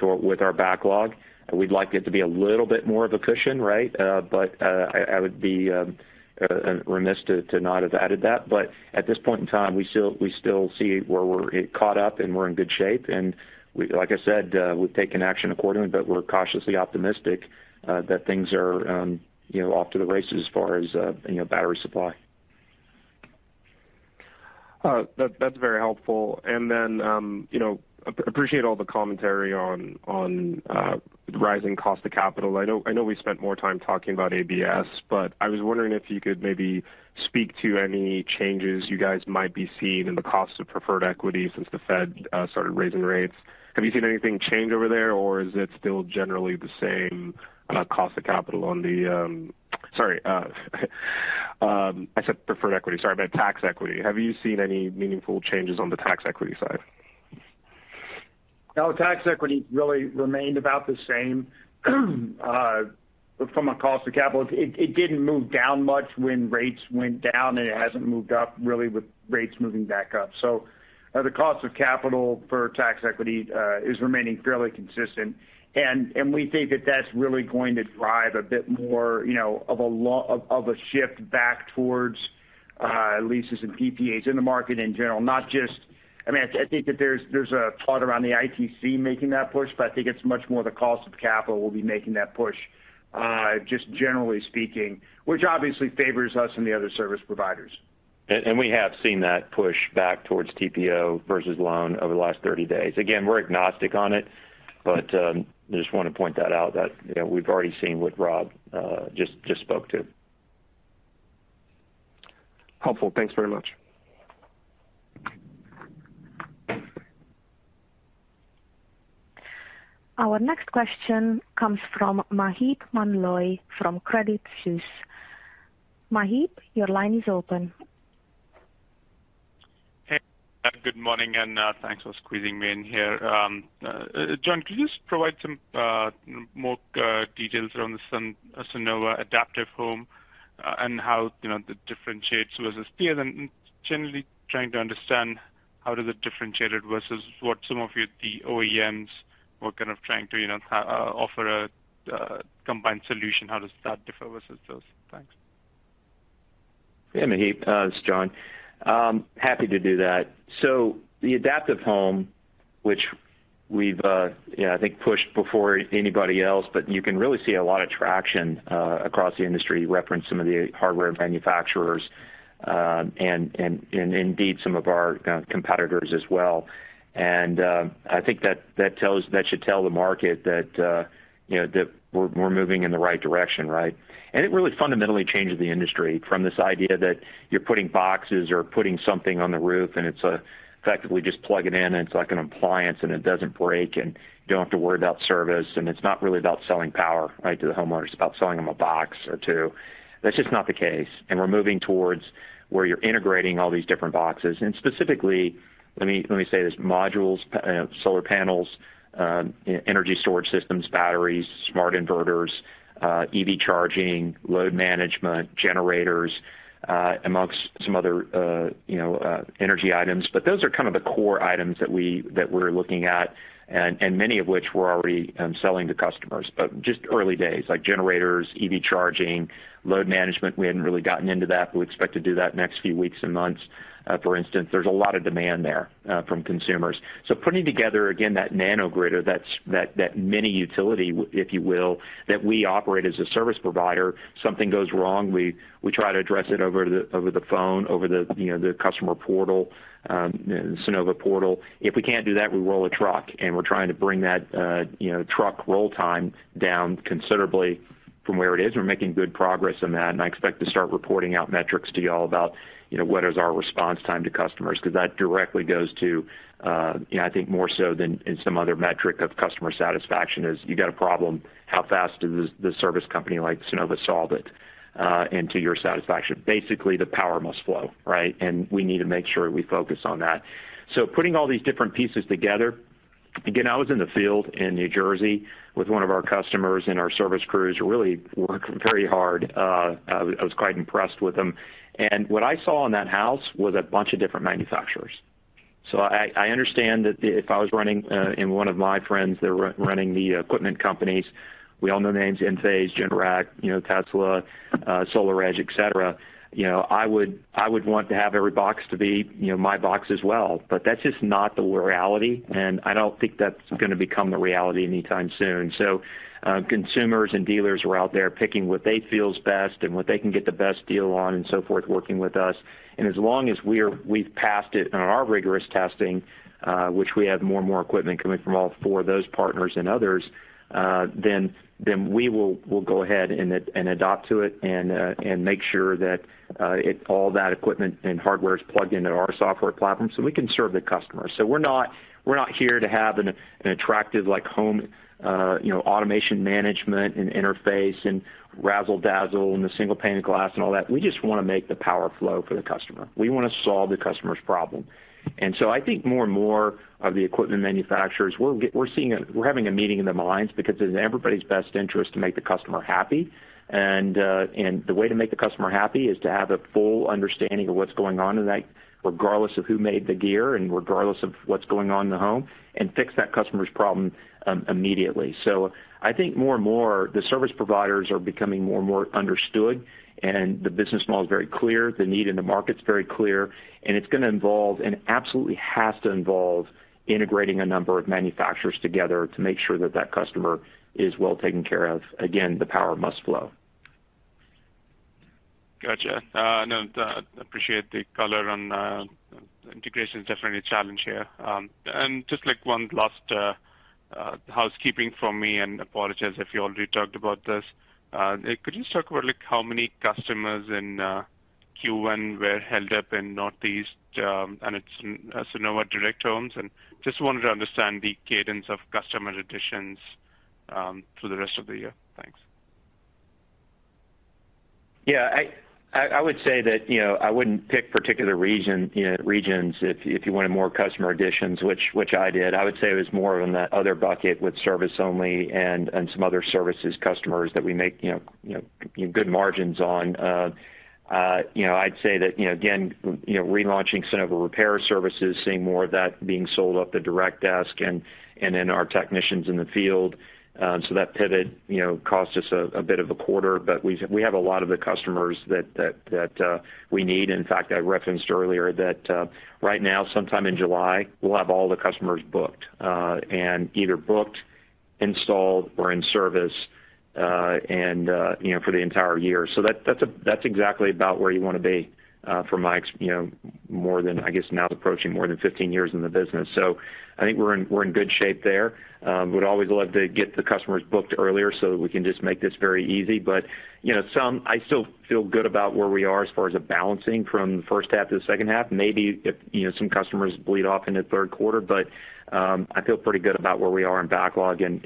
with our backlog. We'd like it to be a little bit more of a cushion, right? I would be remiss to not have added that. At this point in time, we still see where we're caught up and we're in good shape. Like I said, we've taken action accordingly, but we're cautiously optimistic that things are, you know, off to the races as far as, you know, battery supply. That's very helpful. Then you know, appreciate all the commentary on rising cost of capital. I know we spent more time talking about ABS, but I was wondering if you could maybe speak to any changes you guys might be seeing in the cost of preferred equity since the Fed started raising rates. Have you seen anything change over there, or is it still generally the same cost of capital on the. Sorry, I said preferred equity. Sorry, I meant tax equity. Have you seen any meaningful changes on the tax equity side? No, tax equity really remained about the same from a cost of capital. It didn't move down much when rates went down, and it hasn't moved up really with rates moving back up. The cost of capital for tax equity is remaining fairly consistent. We think that that's really going to drive a bit more, you know, of a shift back towards leases and PPAs in the market in general, not just. I mean, I think that there's a part around the ITC making that push, but I think it's much more the cost of capital will be making that push just generally speaking, which obviously favours us and the other service providers. We have seen that push back towards TPO versus loan over the last 30 days. Again, we're agnostic on it, but just wanna point that out that, you know, we've already seen what Rob just spoke to. Helpful. Thanks very much. Our next question comes from Maheep Mandloi from Credit Suisse. Maheep, your line is open. Hey. Good morning, and thanks for squeezing me in here. John, could you just provide some more details around the Sunnova Adaptive Home, and how, you know, it differentiates versus peers? Generally trying to understand how does it differentiate it versus what some of the OEMs who are kind of trying to, you know, offer a combined solution. How does that differ versus those? Thanks. Yeah, Maheep, it's John. Happy to do that. The Adaptive Home, which we've, you know, I think pushed before anybody else, but you can really see a lot of traction across the industry. You referenced some of the hardware manufacturers and indeed some of our competitors as well. I think that should tell the market that, you know, we're moving in the right direction, right? It really fundamentally changes the industry from this idea that you're putting boxes or putting something on the roof, and it's effectively just plug it in, and it's like an appliance, and it doesn't break, and you don't have to worry about service. It's not really about selling power, right? To the homeowners. It's about selling them a box or two. That's just not the case. We're moving towards where you're integrating all these different boxes. Specifically, let me say this, modules, solar panels, energy storage systems, batteries, smart inverters, EV charging, load management, generators, amongst some other, you know, energy items. Those are kind of the core items that we're looking at and many of which we're already selling to customers, but just early days, like generators, EV charging, load management, we hadn't really gotten into that, but we expect to do that next few weeks and months, for instance. There's a lot of demand there from consumers. Putting together, again, that nanogrid, that mini utility, if you will, that we operate as a service provider. Something goes wrong, we try to address it over the phone, you know, the customer portal, the Sunnova portal. If we can't do that, we roll a truck, and we're trying to bring that, you know, truck roll time down considerably from where it is. We're making good progress on that, and I expect to start reporting out metrics to you all about, you know, what is our response time to customers. 'Cause that directly goes to, you know, I think more so than in some other metric of customer satisfaction is, you got a problem, how fast does the service company like Sunnova solve it, and to your satisfaction? Basically, the power must flow, right? We need to make sure we focus on that. Putting all these different pieces together. Again, I was in the field in New Jersey with 1 of our customers, and our service crews really work very hard. I was quite impressed with them. What I saw in that house was a bunch of different manufacturers. I understand that if I was running and 1 of my friends there running the equipment companies, we all know names, Enphase, Generac, you know, Tesla, SolarEdge, et cetera. You know, I would want to have every box to be, you know, my box as well. But that's just not the reality, and I don't think that's gonna become the reality anytime soon. Consumers and dealers are out there picking what they feel is best and what they can get the best deal on and so forth, working with us. As long as we've passed it on our rigorous testing, which we have more and more equipment coming from all 4 of those partners and others, then we will go ahead and adapt to it and make sure that all that equipment and hardware is plugged into our software platform so we can serve the customer. We're not here to have an attractive like home, you know, automation management and interface and razzle-dazzle and the single pane of glass and all that. We just wanna make the power flow for the customer. We wanna solve the customer's problem. I think more and more of the equipment manufacturers we're seeing a meeting of the minds because it's in everybody's best interest to make the customer happy. The way to make the customer happy is to have a full understanding of what's going on in that, regardless of who made the gear and regardless of what's going on in the home, and fix that customer's problem immediately. I think more and more the service providers are becoming more and more understood and the business model is very clear, the need in the market's very clear, and it's gonna involve, and absolutely has to involve integrating a number of manufacturers together to make sure that that customer is well taken care of. Again, the power must flow. Gotcha. No, I appreciate the color on integration is definitely a challenge here. Just like 1 last housekeeping from me, and apologize if you already talked about this. Could you just talk about, like, how many customers in Q1 were held up in Northeast, and its Sunnova New Homes? Just wanted to understand the cadence of customer additions through the rest of the year. Thanks. Yeah, I would say that, you know, I wouldn't pick particular region, you know, regions if you wanted more customer additions, which I did. I would say it was more in that other bucket with service only and some other services customers that we make, you know, good margins on. You know, I'd say that, you know, again, you know, relaunching Sunnova Repair Services, seeing more of that being sold up the direct desk and then our technicians in the field. That pivot, you know, cost us a bit of a quarter, but we have a lot of the customers that we need. In fact, I referenced earlier that right now, sometime in July, we'll have all the customers booked, and either booked, installed or in service, and you know, for the entire year. That's exactly about where you wanna be, from my you know, more than, I guess, now approaching more than 15 years in the business. I think we're in good shape there. Would always love to get the customers booked earlier so that we can just make this very easy. I still feel good about where we are as far as the balancing from the H1 to the H2. Maybe if you know, some customers bleed off into. I feel pretty good about where we are in backlog and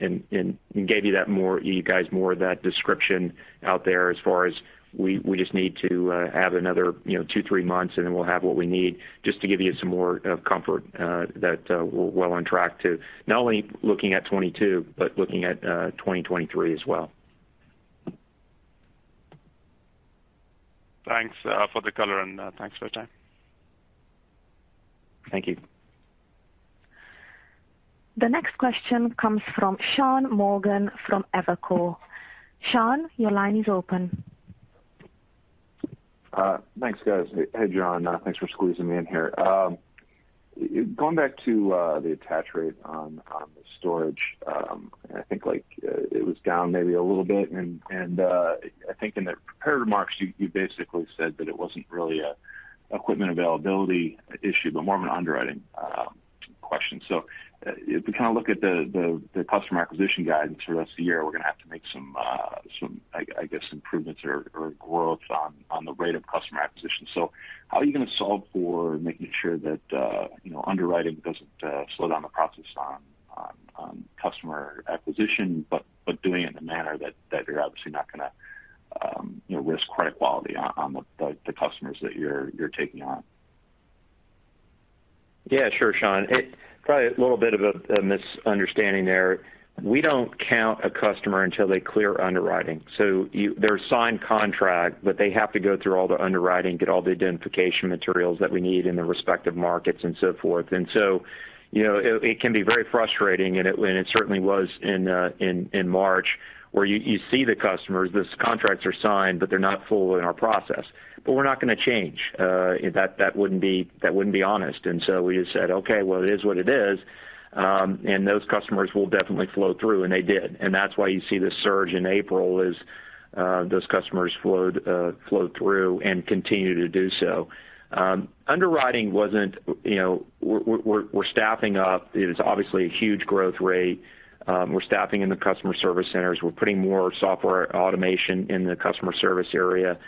gave you that more, you guys more of that description out there as far as we just need to add another, you know, 2, 3 months and then we'll have what we need just to give you some more comfort that we're well on track to not only looking at 2022, but looking at 2023 as well. Thanks for the colour and thanks for your time. Thank you. The next question comes from Shaun Morgan from Evercore. Sean, your line is open. Thanks, guys. Hey, John. Thanks for squeezing me in here. Going back to the attach rate on storage. I think like it was down maybe a little bit, and I think in the prepared remarks, you basically said that it wasn't really a equipment availability issue, but more of an underwriting question. If we kind of look at the customer acquisition guidance for the rest of the year, we're gonna have to make some I guess improvements or growth on the rate of customer acquisition. How are you going to solve for making sure that, you know, underwriting doesn't slow down the process on customer acquisition, but doing it in a manner that you're obviously not gonna, you know, risk credit quality on the customers that you're taking on? Yeah, sure. Sean. Probably a little bit of a misunderstanding there. We don't count a customer until they clear underwriting. They've signed a contract, but they have to go through all the underwriting, get all the identification materials that we need in the respective markets and so forth. You know, it can be very frustrating and it certainly was in March where you see the customers, those contracts are signed, but they're not fully in our process. We're not gonna change. That wouldn't be honest. We just said, "Okay, well, it is what it is." Those customers will definitely flow through, and they did. That's why you see this surge in April. Those customers flowed through and continue to do so. Underwriting wasn't, you know, we're staffing up. It is obviously a huge growth rate. We're staffing in the customer service centers. We're putting more software automation in the customer service area.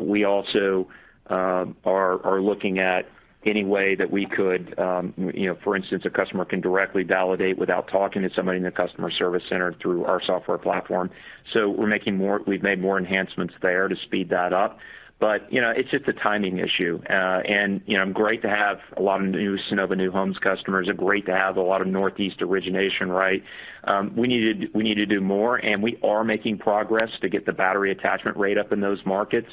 We also are looking at any way that we could, you know, for instance, a customer can directly validate without talking to somebody in the customer service center through our software platform. We've made more enhancements there to speed that up. You know, it's just a timing issue. You know, great to have a lot of new Sunnova New Homes customers, great to have a lot of Northeast origination, right? We need to do more, and we are making progress to get the battery attachment rate up in those markets,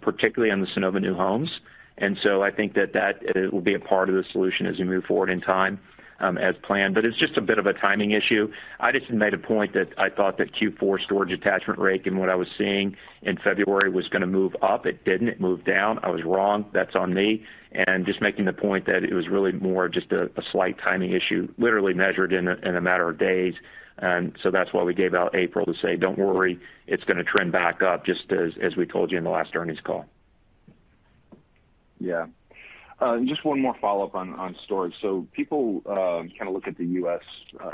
particularly on the Sunnova New Homes. I think that it will be a part of the solution as we move forward in time, as planned. It's just a bit of a timing issue. I just made a point that I thought that Q4 storage attachment rate and what I was seeing in February was gonna move up. It didn't. It moved down. I was wrong. That's on me. Just making the point that it was really more just a slight timing issue, literally measured in a matter of days. That's why we gave out April to say, "Don't worry, it's gonna trend back up, just as we told you in the last earnings call. Yeah. Just 1 more follow-up on storage. People kind of look at the U.S.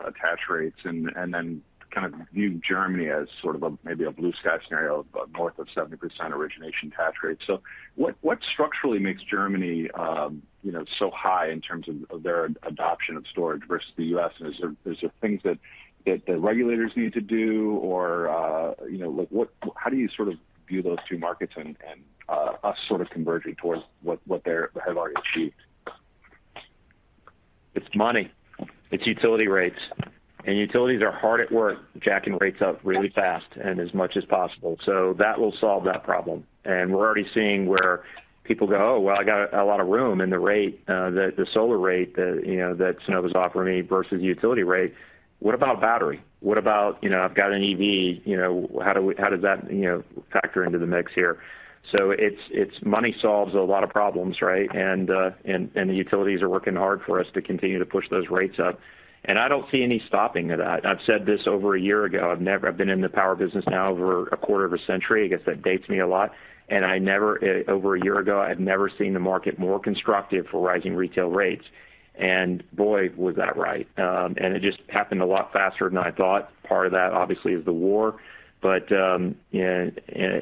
attach rates and then kind of view Germany as sort of a maybe a blue sky scenario, but north of 70% origination attach rates. What structurally makes Germany you know so high in terms of of their adoption of storage versus the U.S.? Is there things that the regulators need to do? Or you know like what how do you sort of view those 2 markets and us sort of converging towards what they're have already achieved? It's money. It's utility rates. Utilities are hard at work, jacking rates up really fast and as much as possible. That will solve that problem. We're already seeing where people go, "Oh, well, I got a lot of room in the rate, the solar rate that, you know, that Sunnova's offering me versus the utility rate. What about battery? What about, you know, I've got an EV, you know, how does that, you know, factor into the mix here?" It's money solves a lot of problems, right? The utilities are working hard for us to continue to push those rates up. I don't see any stopping of that. I've said this over a year ago. I've been in the power business now over a quarter of a century. I guess that dates me a lot. Over a year ago, I had never seen the market more constructive for rising retail rates. Boy, was that right. It just happened a lot faster than I thought. Part of that, obviously, is the war. Yeah,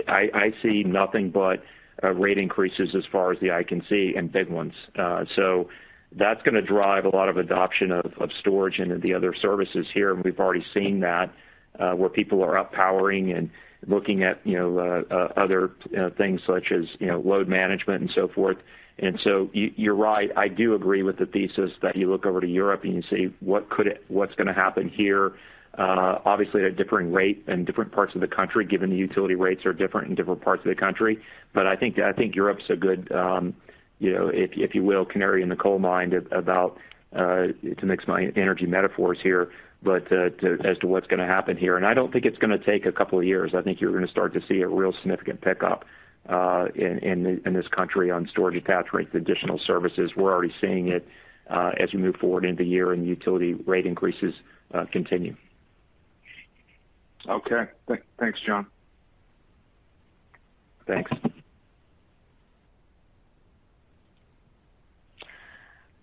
I see nothing but rate increases as far as the eye can see and big ones. That's gonna drive a lot of adoption of storage into the other services here. We've already seen that, where people are up-powering and looking at, you know, other, you know, things such as, you know, load management and so forth. You're right. I do agree with the thesis that you look over to Europe and you say, "What's gonna happen here?" Obviously at a differing rate in different parts of the country, given the utility rates are different in different parts of the country. I think Europe's a good, you know, if you will, canary in the coal mine about to mix my energy metaphors here, but as to what's gonna happen here. I don't think it's gonna take a couple of years. I think you're gonna start to see a real significant pickup in this country on storage attach rates, additional services. We're already seeing it as we move forward into year and utility rate increases continue. Okay. Thanks, John. Thanks.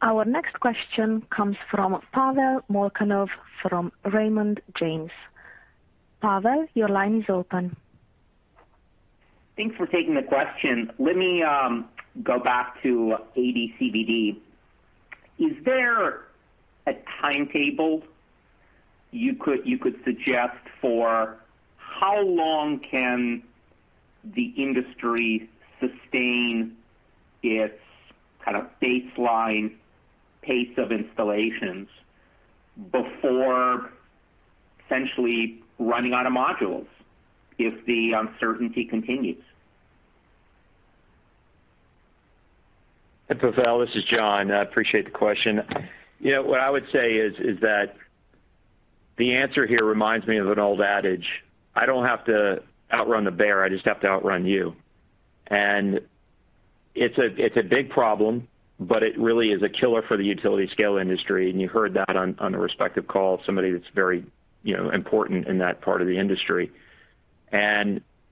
Our next question comes from Pavel Molchanov from Raymond James. Pavel, your line is open. Thanks for taking the question. Let me go back to AD/CVD. Is there a timetable you could suggest for how long can the industry sustain its kind of baseline pace of installations before essentially running out of modules if the uncertainty continues? Hey, Pavel, this is John. I appreciate the question. You know, what I would say is that the answer here reminds me of an old adage. I don't have to outrun the bear, I just have to outrun you. It's a big problem, but it really is a killer for the utility scale industry. You heard that on the respective call, somebody that's very important in that part of the industry.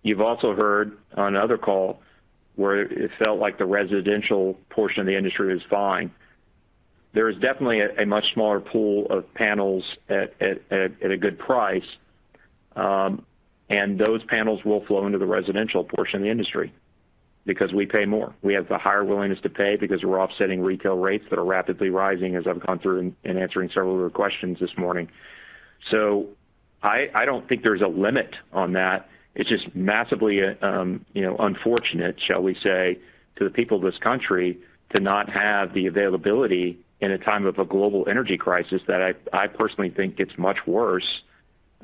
You've also heard on other call where it felt like the residential portion of the industry is fine. There is definitely a much smaller pool of panels at a good price, and those panels will flow into the residential portion of the industry because we pay more. We have the higher willingness to pay because we're offsetting retail rates that are rapidly rising, as I've gone through in answering several of your questions this morning. I don't think there's a limit on that. It's just massively, you know, unfortunate, shall we say, to the people of this country to not have the availability in a time of a global energy crisis that I personally think gets much worse.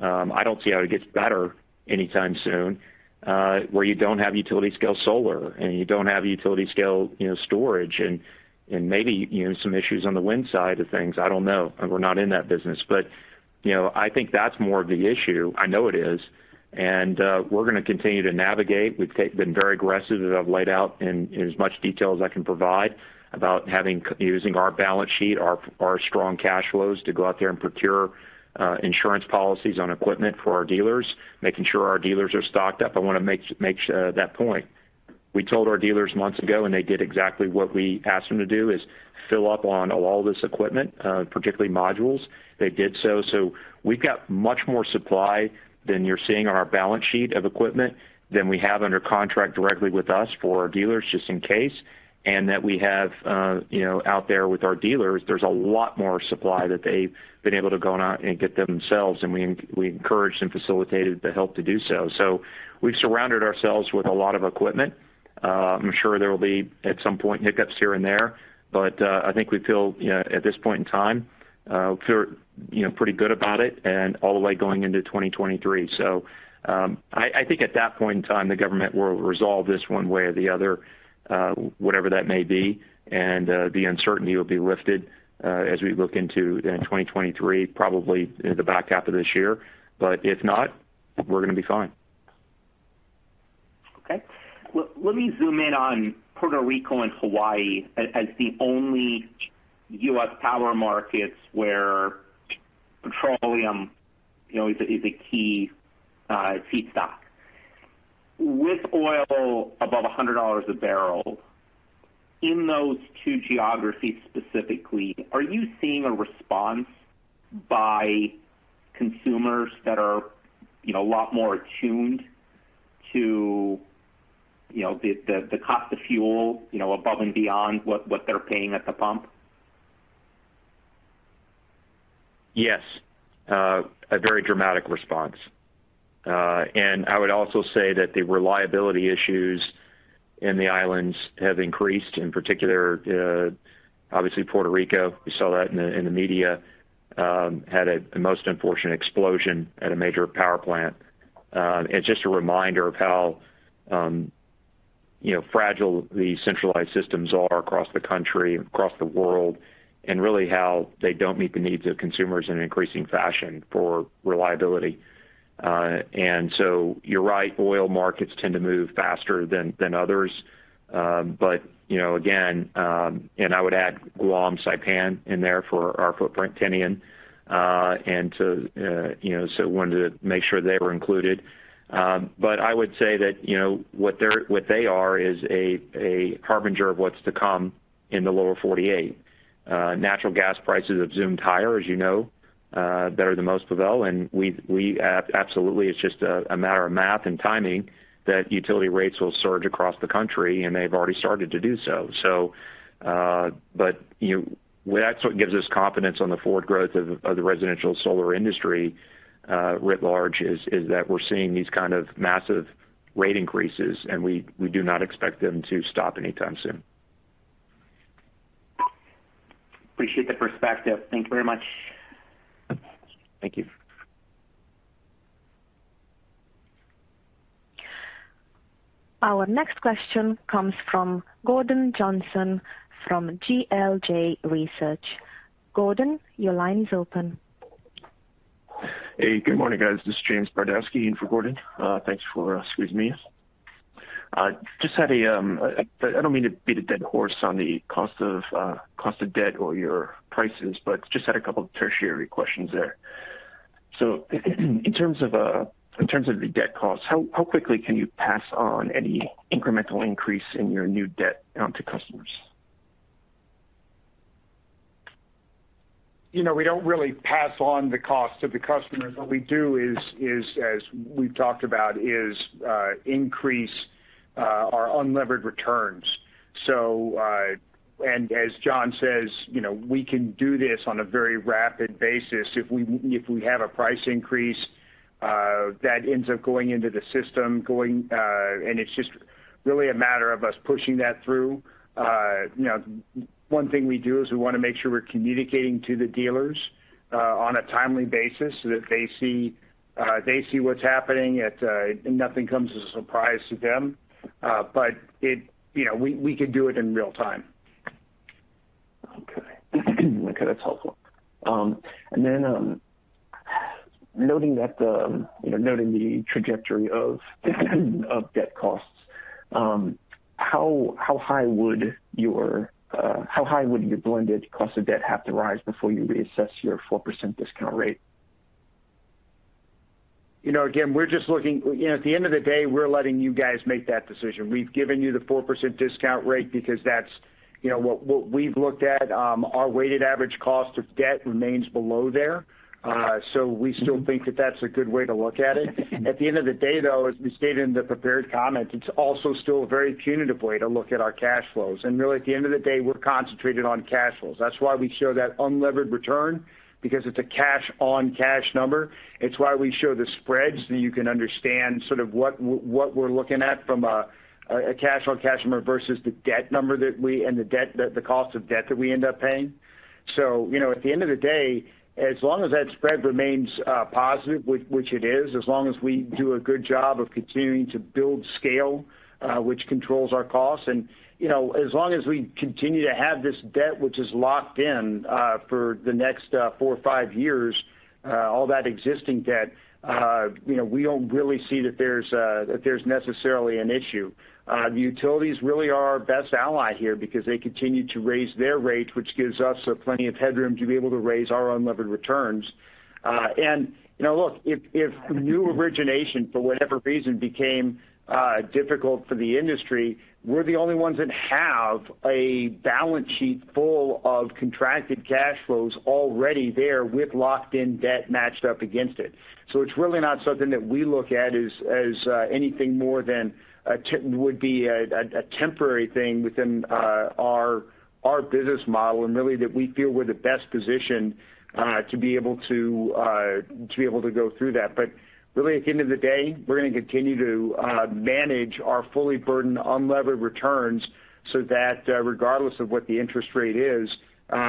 I don't see how it gets better anytime soon, where you don't have utility scale solar, and you don't have utility scale, you know, storage and maybe, you know, some issues on the wind side of things. I don't know. We're not in that business. You know, I think that's more of the issue. I know it is. We're gonna continue to navigate. We've been very aggressive, as I've laid out in as much detail as I can provide about using our balance sheet, our strong cash flows to go out there and procure insurance policies on equipment for our dealers, making sure our dealers are stocked up. I wanna make sure that point. We told our dealers months ago, and they did exactly what we asked them to do, is fill up on all this equipment, particularly modules. They did so. We've got much more supply than you're seeing on our balance sheet of equipment than we have under contract directly with us for our dealers just in case. That we have, you know, out there with our dealers, there's a lot more supply that they've been able to go out and get themselves. We encouraged and facilitated the help to do so. We've surrounded ourselves with a lot of equipment. I'm sure there will be at some point hiccups here and there, but I think we feel, you know, at this point in time pretty good about it and all the way going into 2023. I think at that point in time the government will resolve this 1 way or the other, whatever that may be. The uncertainty will be lifted as we look into then 2023, probably in the back half of this year. If not, we're gonna be fine. Okay. Let me zoom in on Puerto Rico and Hawaii as the only U.S. power markets where petroleum, you know, is a key feedstock. With oil above $100 a barrel, in those 2 geographies specifically, are you seeing a response by consumers that are, you know, a lot more attuned to, you know, the cost of fuel, you know, above and beyond what they're paying at the pump? Yes, a very dramatic response. I would also say that the reliability issues in the islands have increased, in particular, obviously, Puerto Rico, we saw that in the media, had a most unfortunate explosion at a major power plant. It's just a reminder of how, you know, fragile the centralized systems are across the country and across the world, and really how they don't meet the needs of consumers in an increasing fashion for reliability. You're right, oil markets tend to move faster than others. You know, again, I would add Guam, Saipan in there for our footprint, Tinian, and too, you know, wanted to make sure they were included. I would say that, you know, what they are is a harbinger of what's to come in the lower 48. Natural gas prices have zoomed higher, as you know, better than most, Pavel. Absolutely it's just a matter of math and timing that utility rates will surge across the country, and they've already started to do so. You know, that's what gives us confidence on the forward growth of the residential solar industry writ large, is that we're seeing these kind of massive rate increases, and we do not expect them to stop anytime soon. Appreciate the perspective. Thank you very much. Thank you. Our next question comes from Gordon Johnson from GLJ Research. Gordon, your line is open. Hey, good morning, guys. This is James Bardowski in for Gordon. Thanks for squeezing me in. I don't mean to beat a dead horse on the cost of debt or your prices, but just had a couple of tertiary questions there. In terms of the debt costs, how quickly can you pass on any incremental increase in your new debt to customers? You know, we don't really pass on the cost to the customers. What we do is, as we've talked about, increase our unlevered return. So, as John says, you know, we can do this on a very rapid basis. If we have a price increase that ends up going into the system. It's just really a matter of us pushing that through. You know, 1 thing we do is we wanna make sure we're communicating to the dealers on a timely basis so that they see what's happening ahead. Nothing comes as a surprise to them. You know, we could do it in real time. Okay, that's helpful. Noting the trajectory of debt costs, how high would your blended cost of debt have to rise before you reassess your 4% discount rate? You know, at the end of the day, we're letting you guys make that decision. We've given you the 4% discount rate because that's, you know, what we've looked at. Our weighted average cost of debt remains below there. So we still think that that's a good way to look at it. At the end of the day, though, as we stated in the prepared comments, it's also still a very punitive way to look at our cash flows. Really, at the end of the day, we're concentrated on cash flows. That's why we show that unlevered return, because it's a cash-on-cash number. It's why we show the spreads so you can understand sort of what we're looking at from a cash-on-cash number versus the debt number and the cost of debt that we end up paying. You know, at the end of the day, as long as that spread remains positive, which it is, as long as we do a good job of continuing to build scale, which controls our costs, and you know, as long as we continue to have this debt which is locked in for the next 4 or 5 years, all that existing debt, you know, we don't really see that there's necessarily an issue. The utilities really are our best ally here because they continue to raise their rates, which gives us plenty of headroom to be able to raise our unlevered return. You know, look, if new origination, for whatever reason, became difficult for the industry, we're the only ones that have a balance sheet full of contracted cash flows already there with locked in debt matched up against it. It's really not something that we look at as anything more than that would be a temporary thing within our business model, and really that we feel we're the best positioned to be able to go through that. Really, at the end of the day, we're gonna continue to manage our fully burdened unlevered return so that, regardless of what the interest rate is,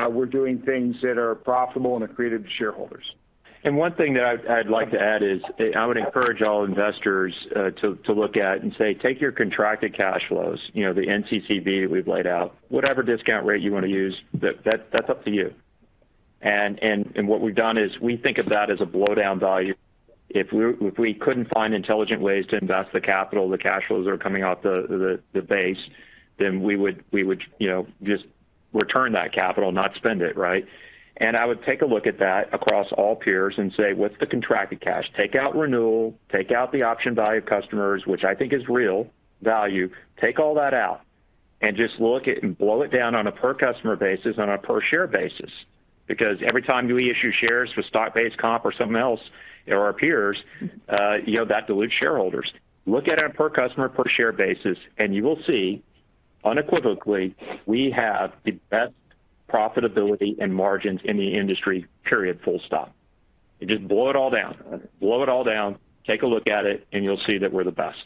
we're doing things that are profitable and accretive to shareholders. 1 thing that I'd like to add is I would encourage all investors to look at and say, take your contracted cash flows, you know, the NCCV we've laid out, whatever discount rate you wanna use, that's up to you. What we've done is we think of that as a blowdown value. If we couldn't find intelligent ways to invest the capital, the cash flows that are coming off the base, then we would just return that capital, not spend it, right? I would take a look at that across all peers and say, what's the contracted cash? Take out renewal, take out the option value of customers, which I think is real value, take all that out and just look at it and blow it down on a per customer basis, on a per share basis. Because every time we issue shares with stock-based comp or something else or our peers, you know, that dilutes shareholders. Look at it on a per customer, per share basis, and you will see unequivocally, we have the best profitability and margins in the industry, period, full stop. Just blow it all down. Blow it all down, take a look at it, and you'll see that we're the best.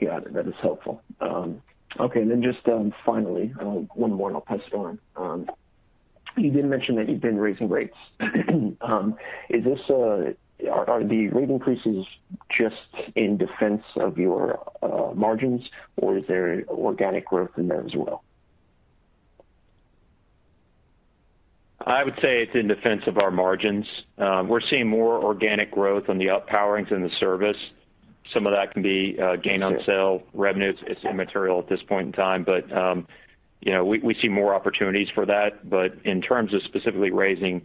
Got it. That is helpful. Okay, and then just, finally, 1 more and I'll pass it on. You did mention that you've been raising rates. Are the rate increases just in defense of your margins, or is there organic growth in there as well? I would say it's in defense of our margins. We're seeing more organic growth on the up-powerings and the service. Some of that can be gain on sale revenues. It's immaterial at this point in time, but you know, we see more opportunities for that. In terms of specifically raising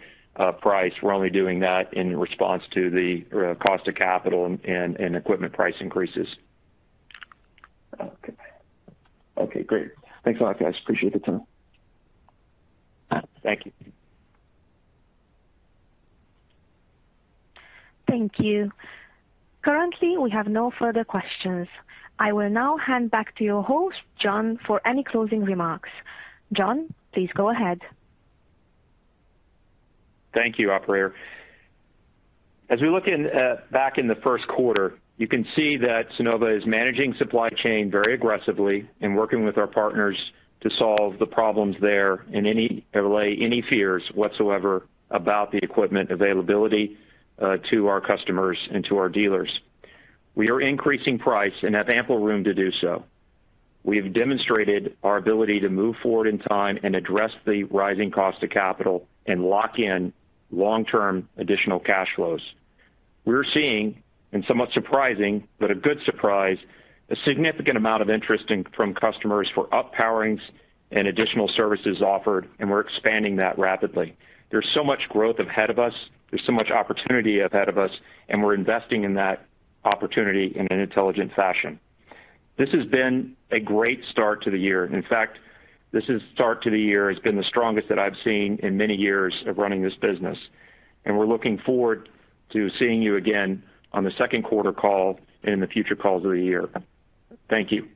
price, we're only doing that in response to the cost of capital and equipment price increases. Okay. Okay, great. Thanks a lot, guys. Appreciate the time. Thank you. Thank you. Currently, we have no further questions. I will now hand back to your host, John, for any closing remarks. John, please go ahead. Thank you, operator. As we look back in the Q1, you can see that Sunnova is managing supply chain very aggressively and working with our partners to solve the problems there and allay any fears whatsoever about the equipment availability to our customers and to our dealers. We are increasing price and have ample room to do so. We have demonstrated our ability to move forward in time and address the rising cost of capital and lock in long-term additional cash flows. We're seeing, and somewhat surprising, but a good surprise, a significant amount of interest from customers for up-powerings and additional services offered, and we're expanding that rapidly. There's so much growth ahead of us. There's so much opportunity ahead of us, and we're investing in that opportunity in an intelligent fashion. This has been a great start to the year. In fact, start to the year has been the strongest that I've seen in many years of running this business. We're looking forward to seeing you again on the Q2 call and in the future calls of the year. Thank you.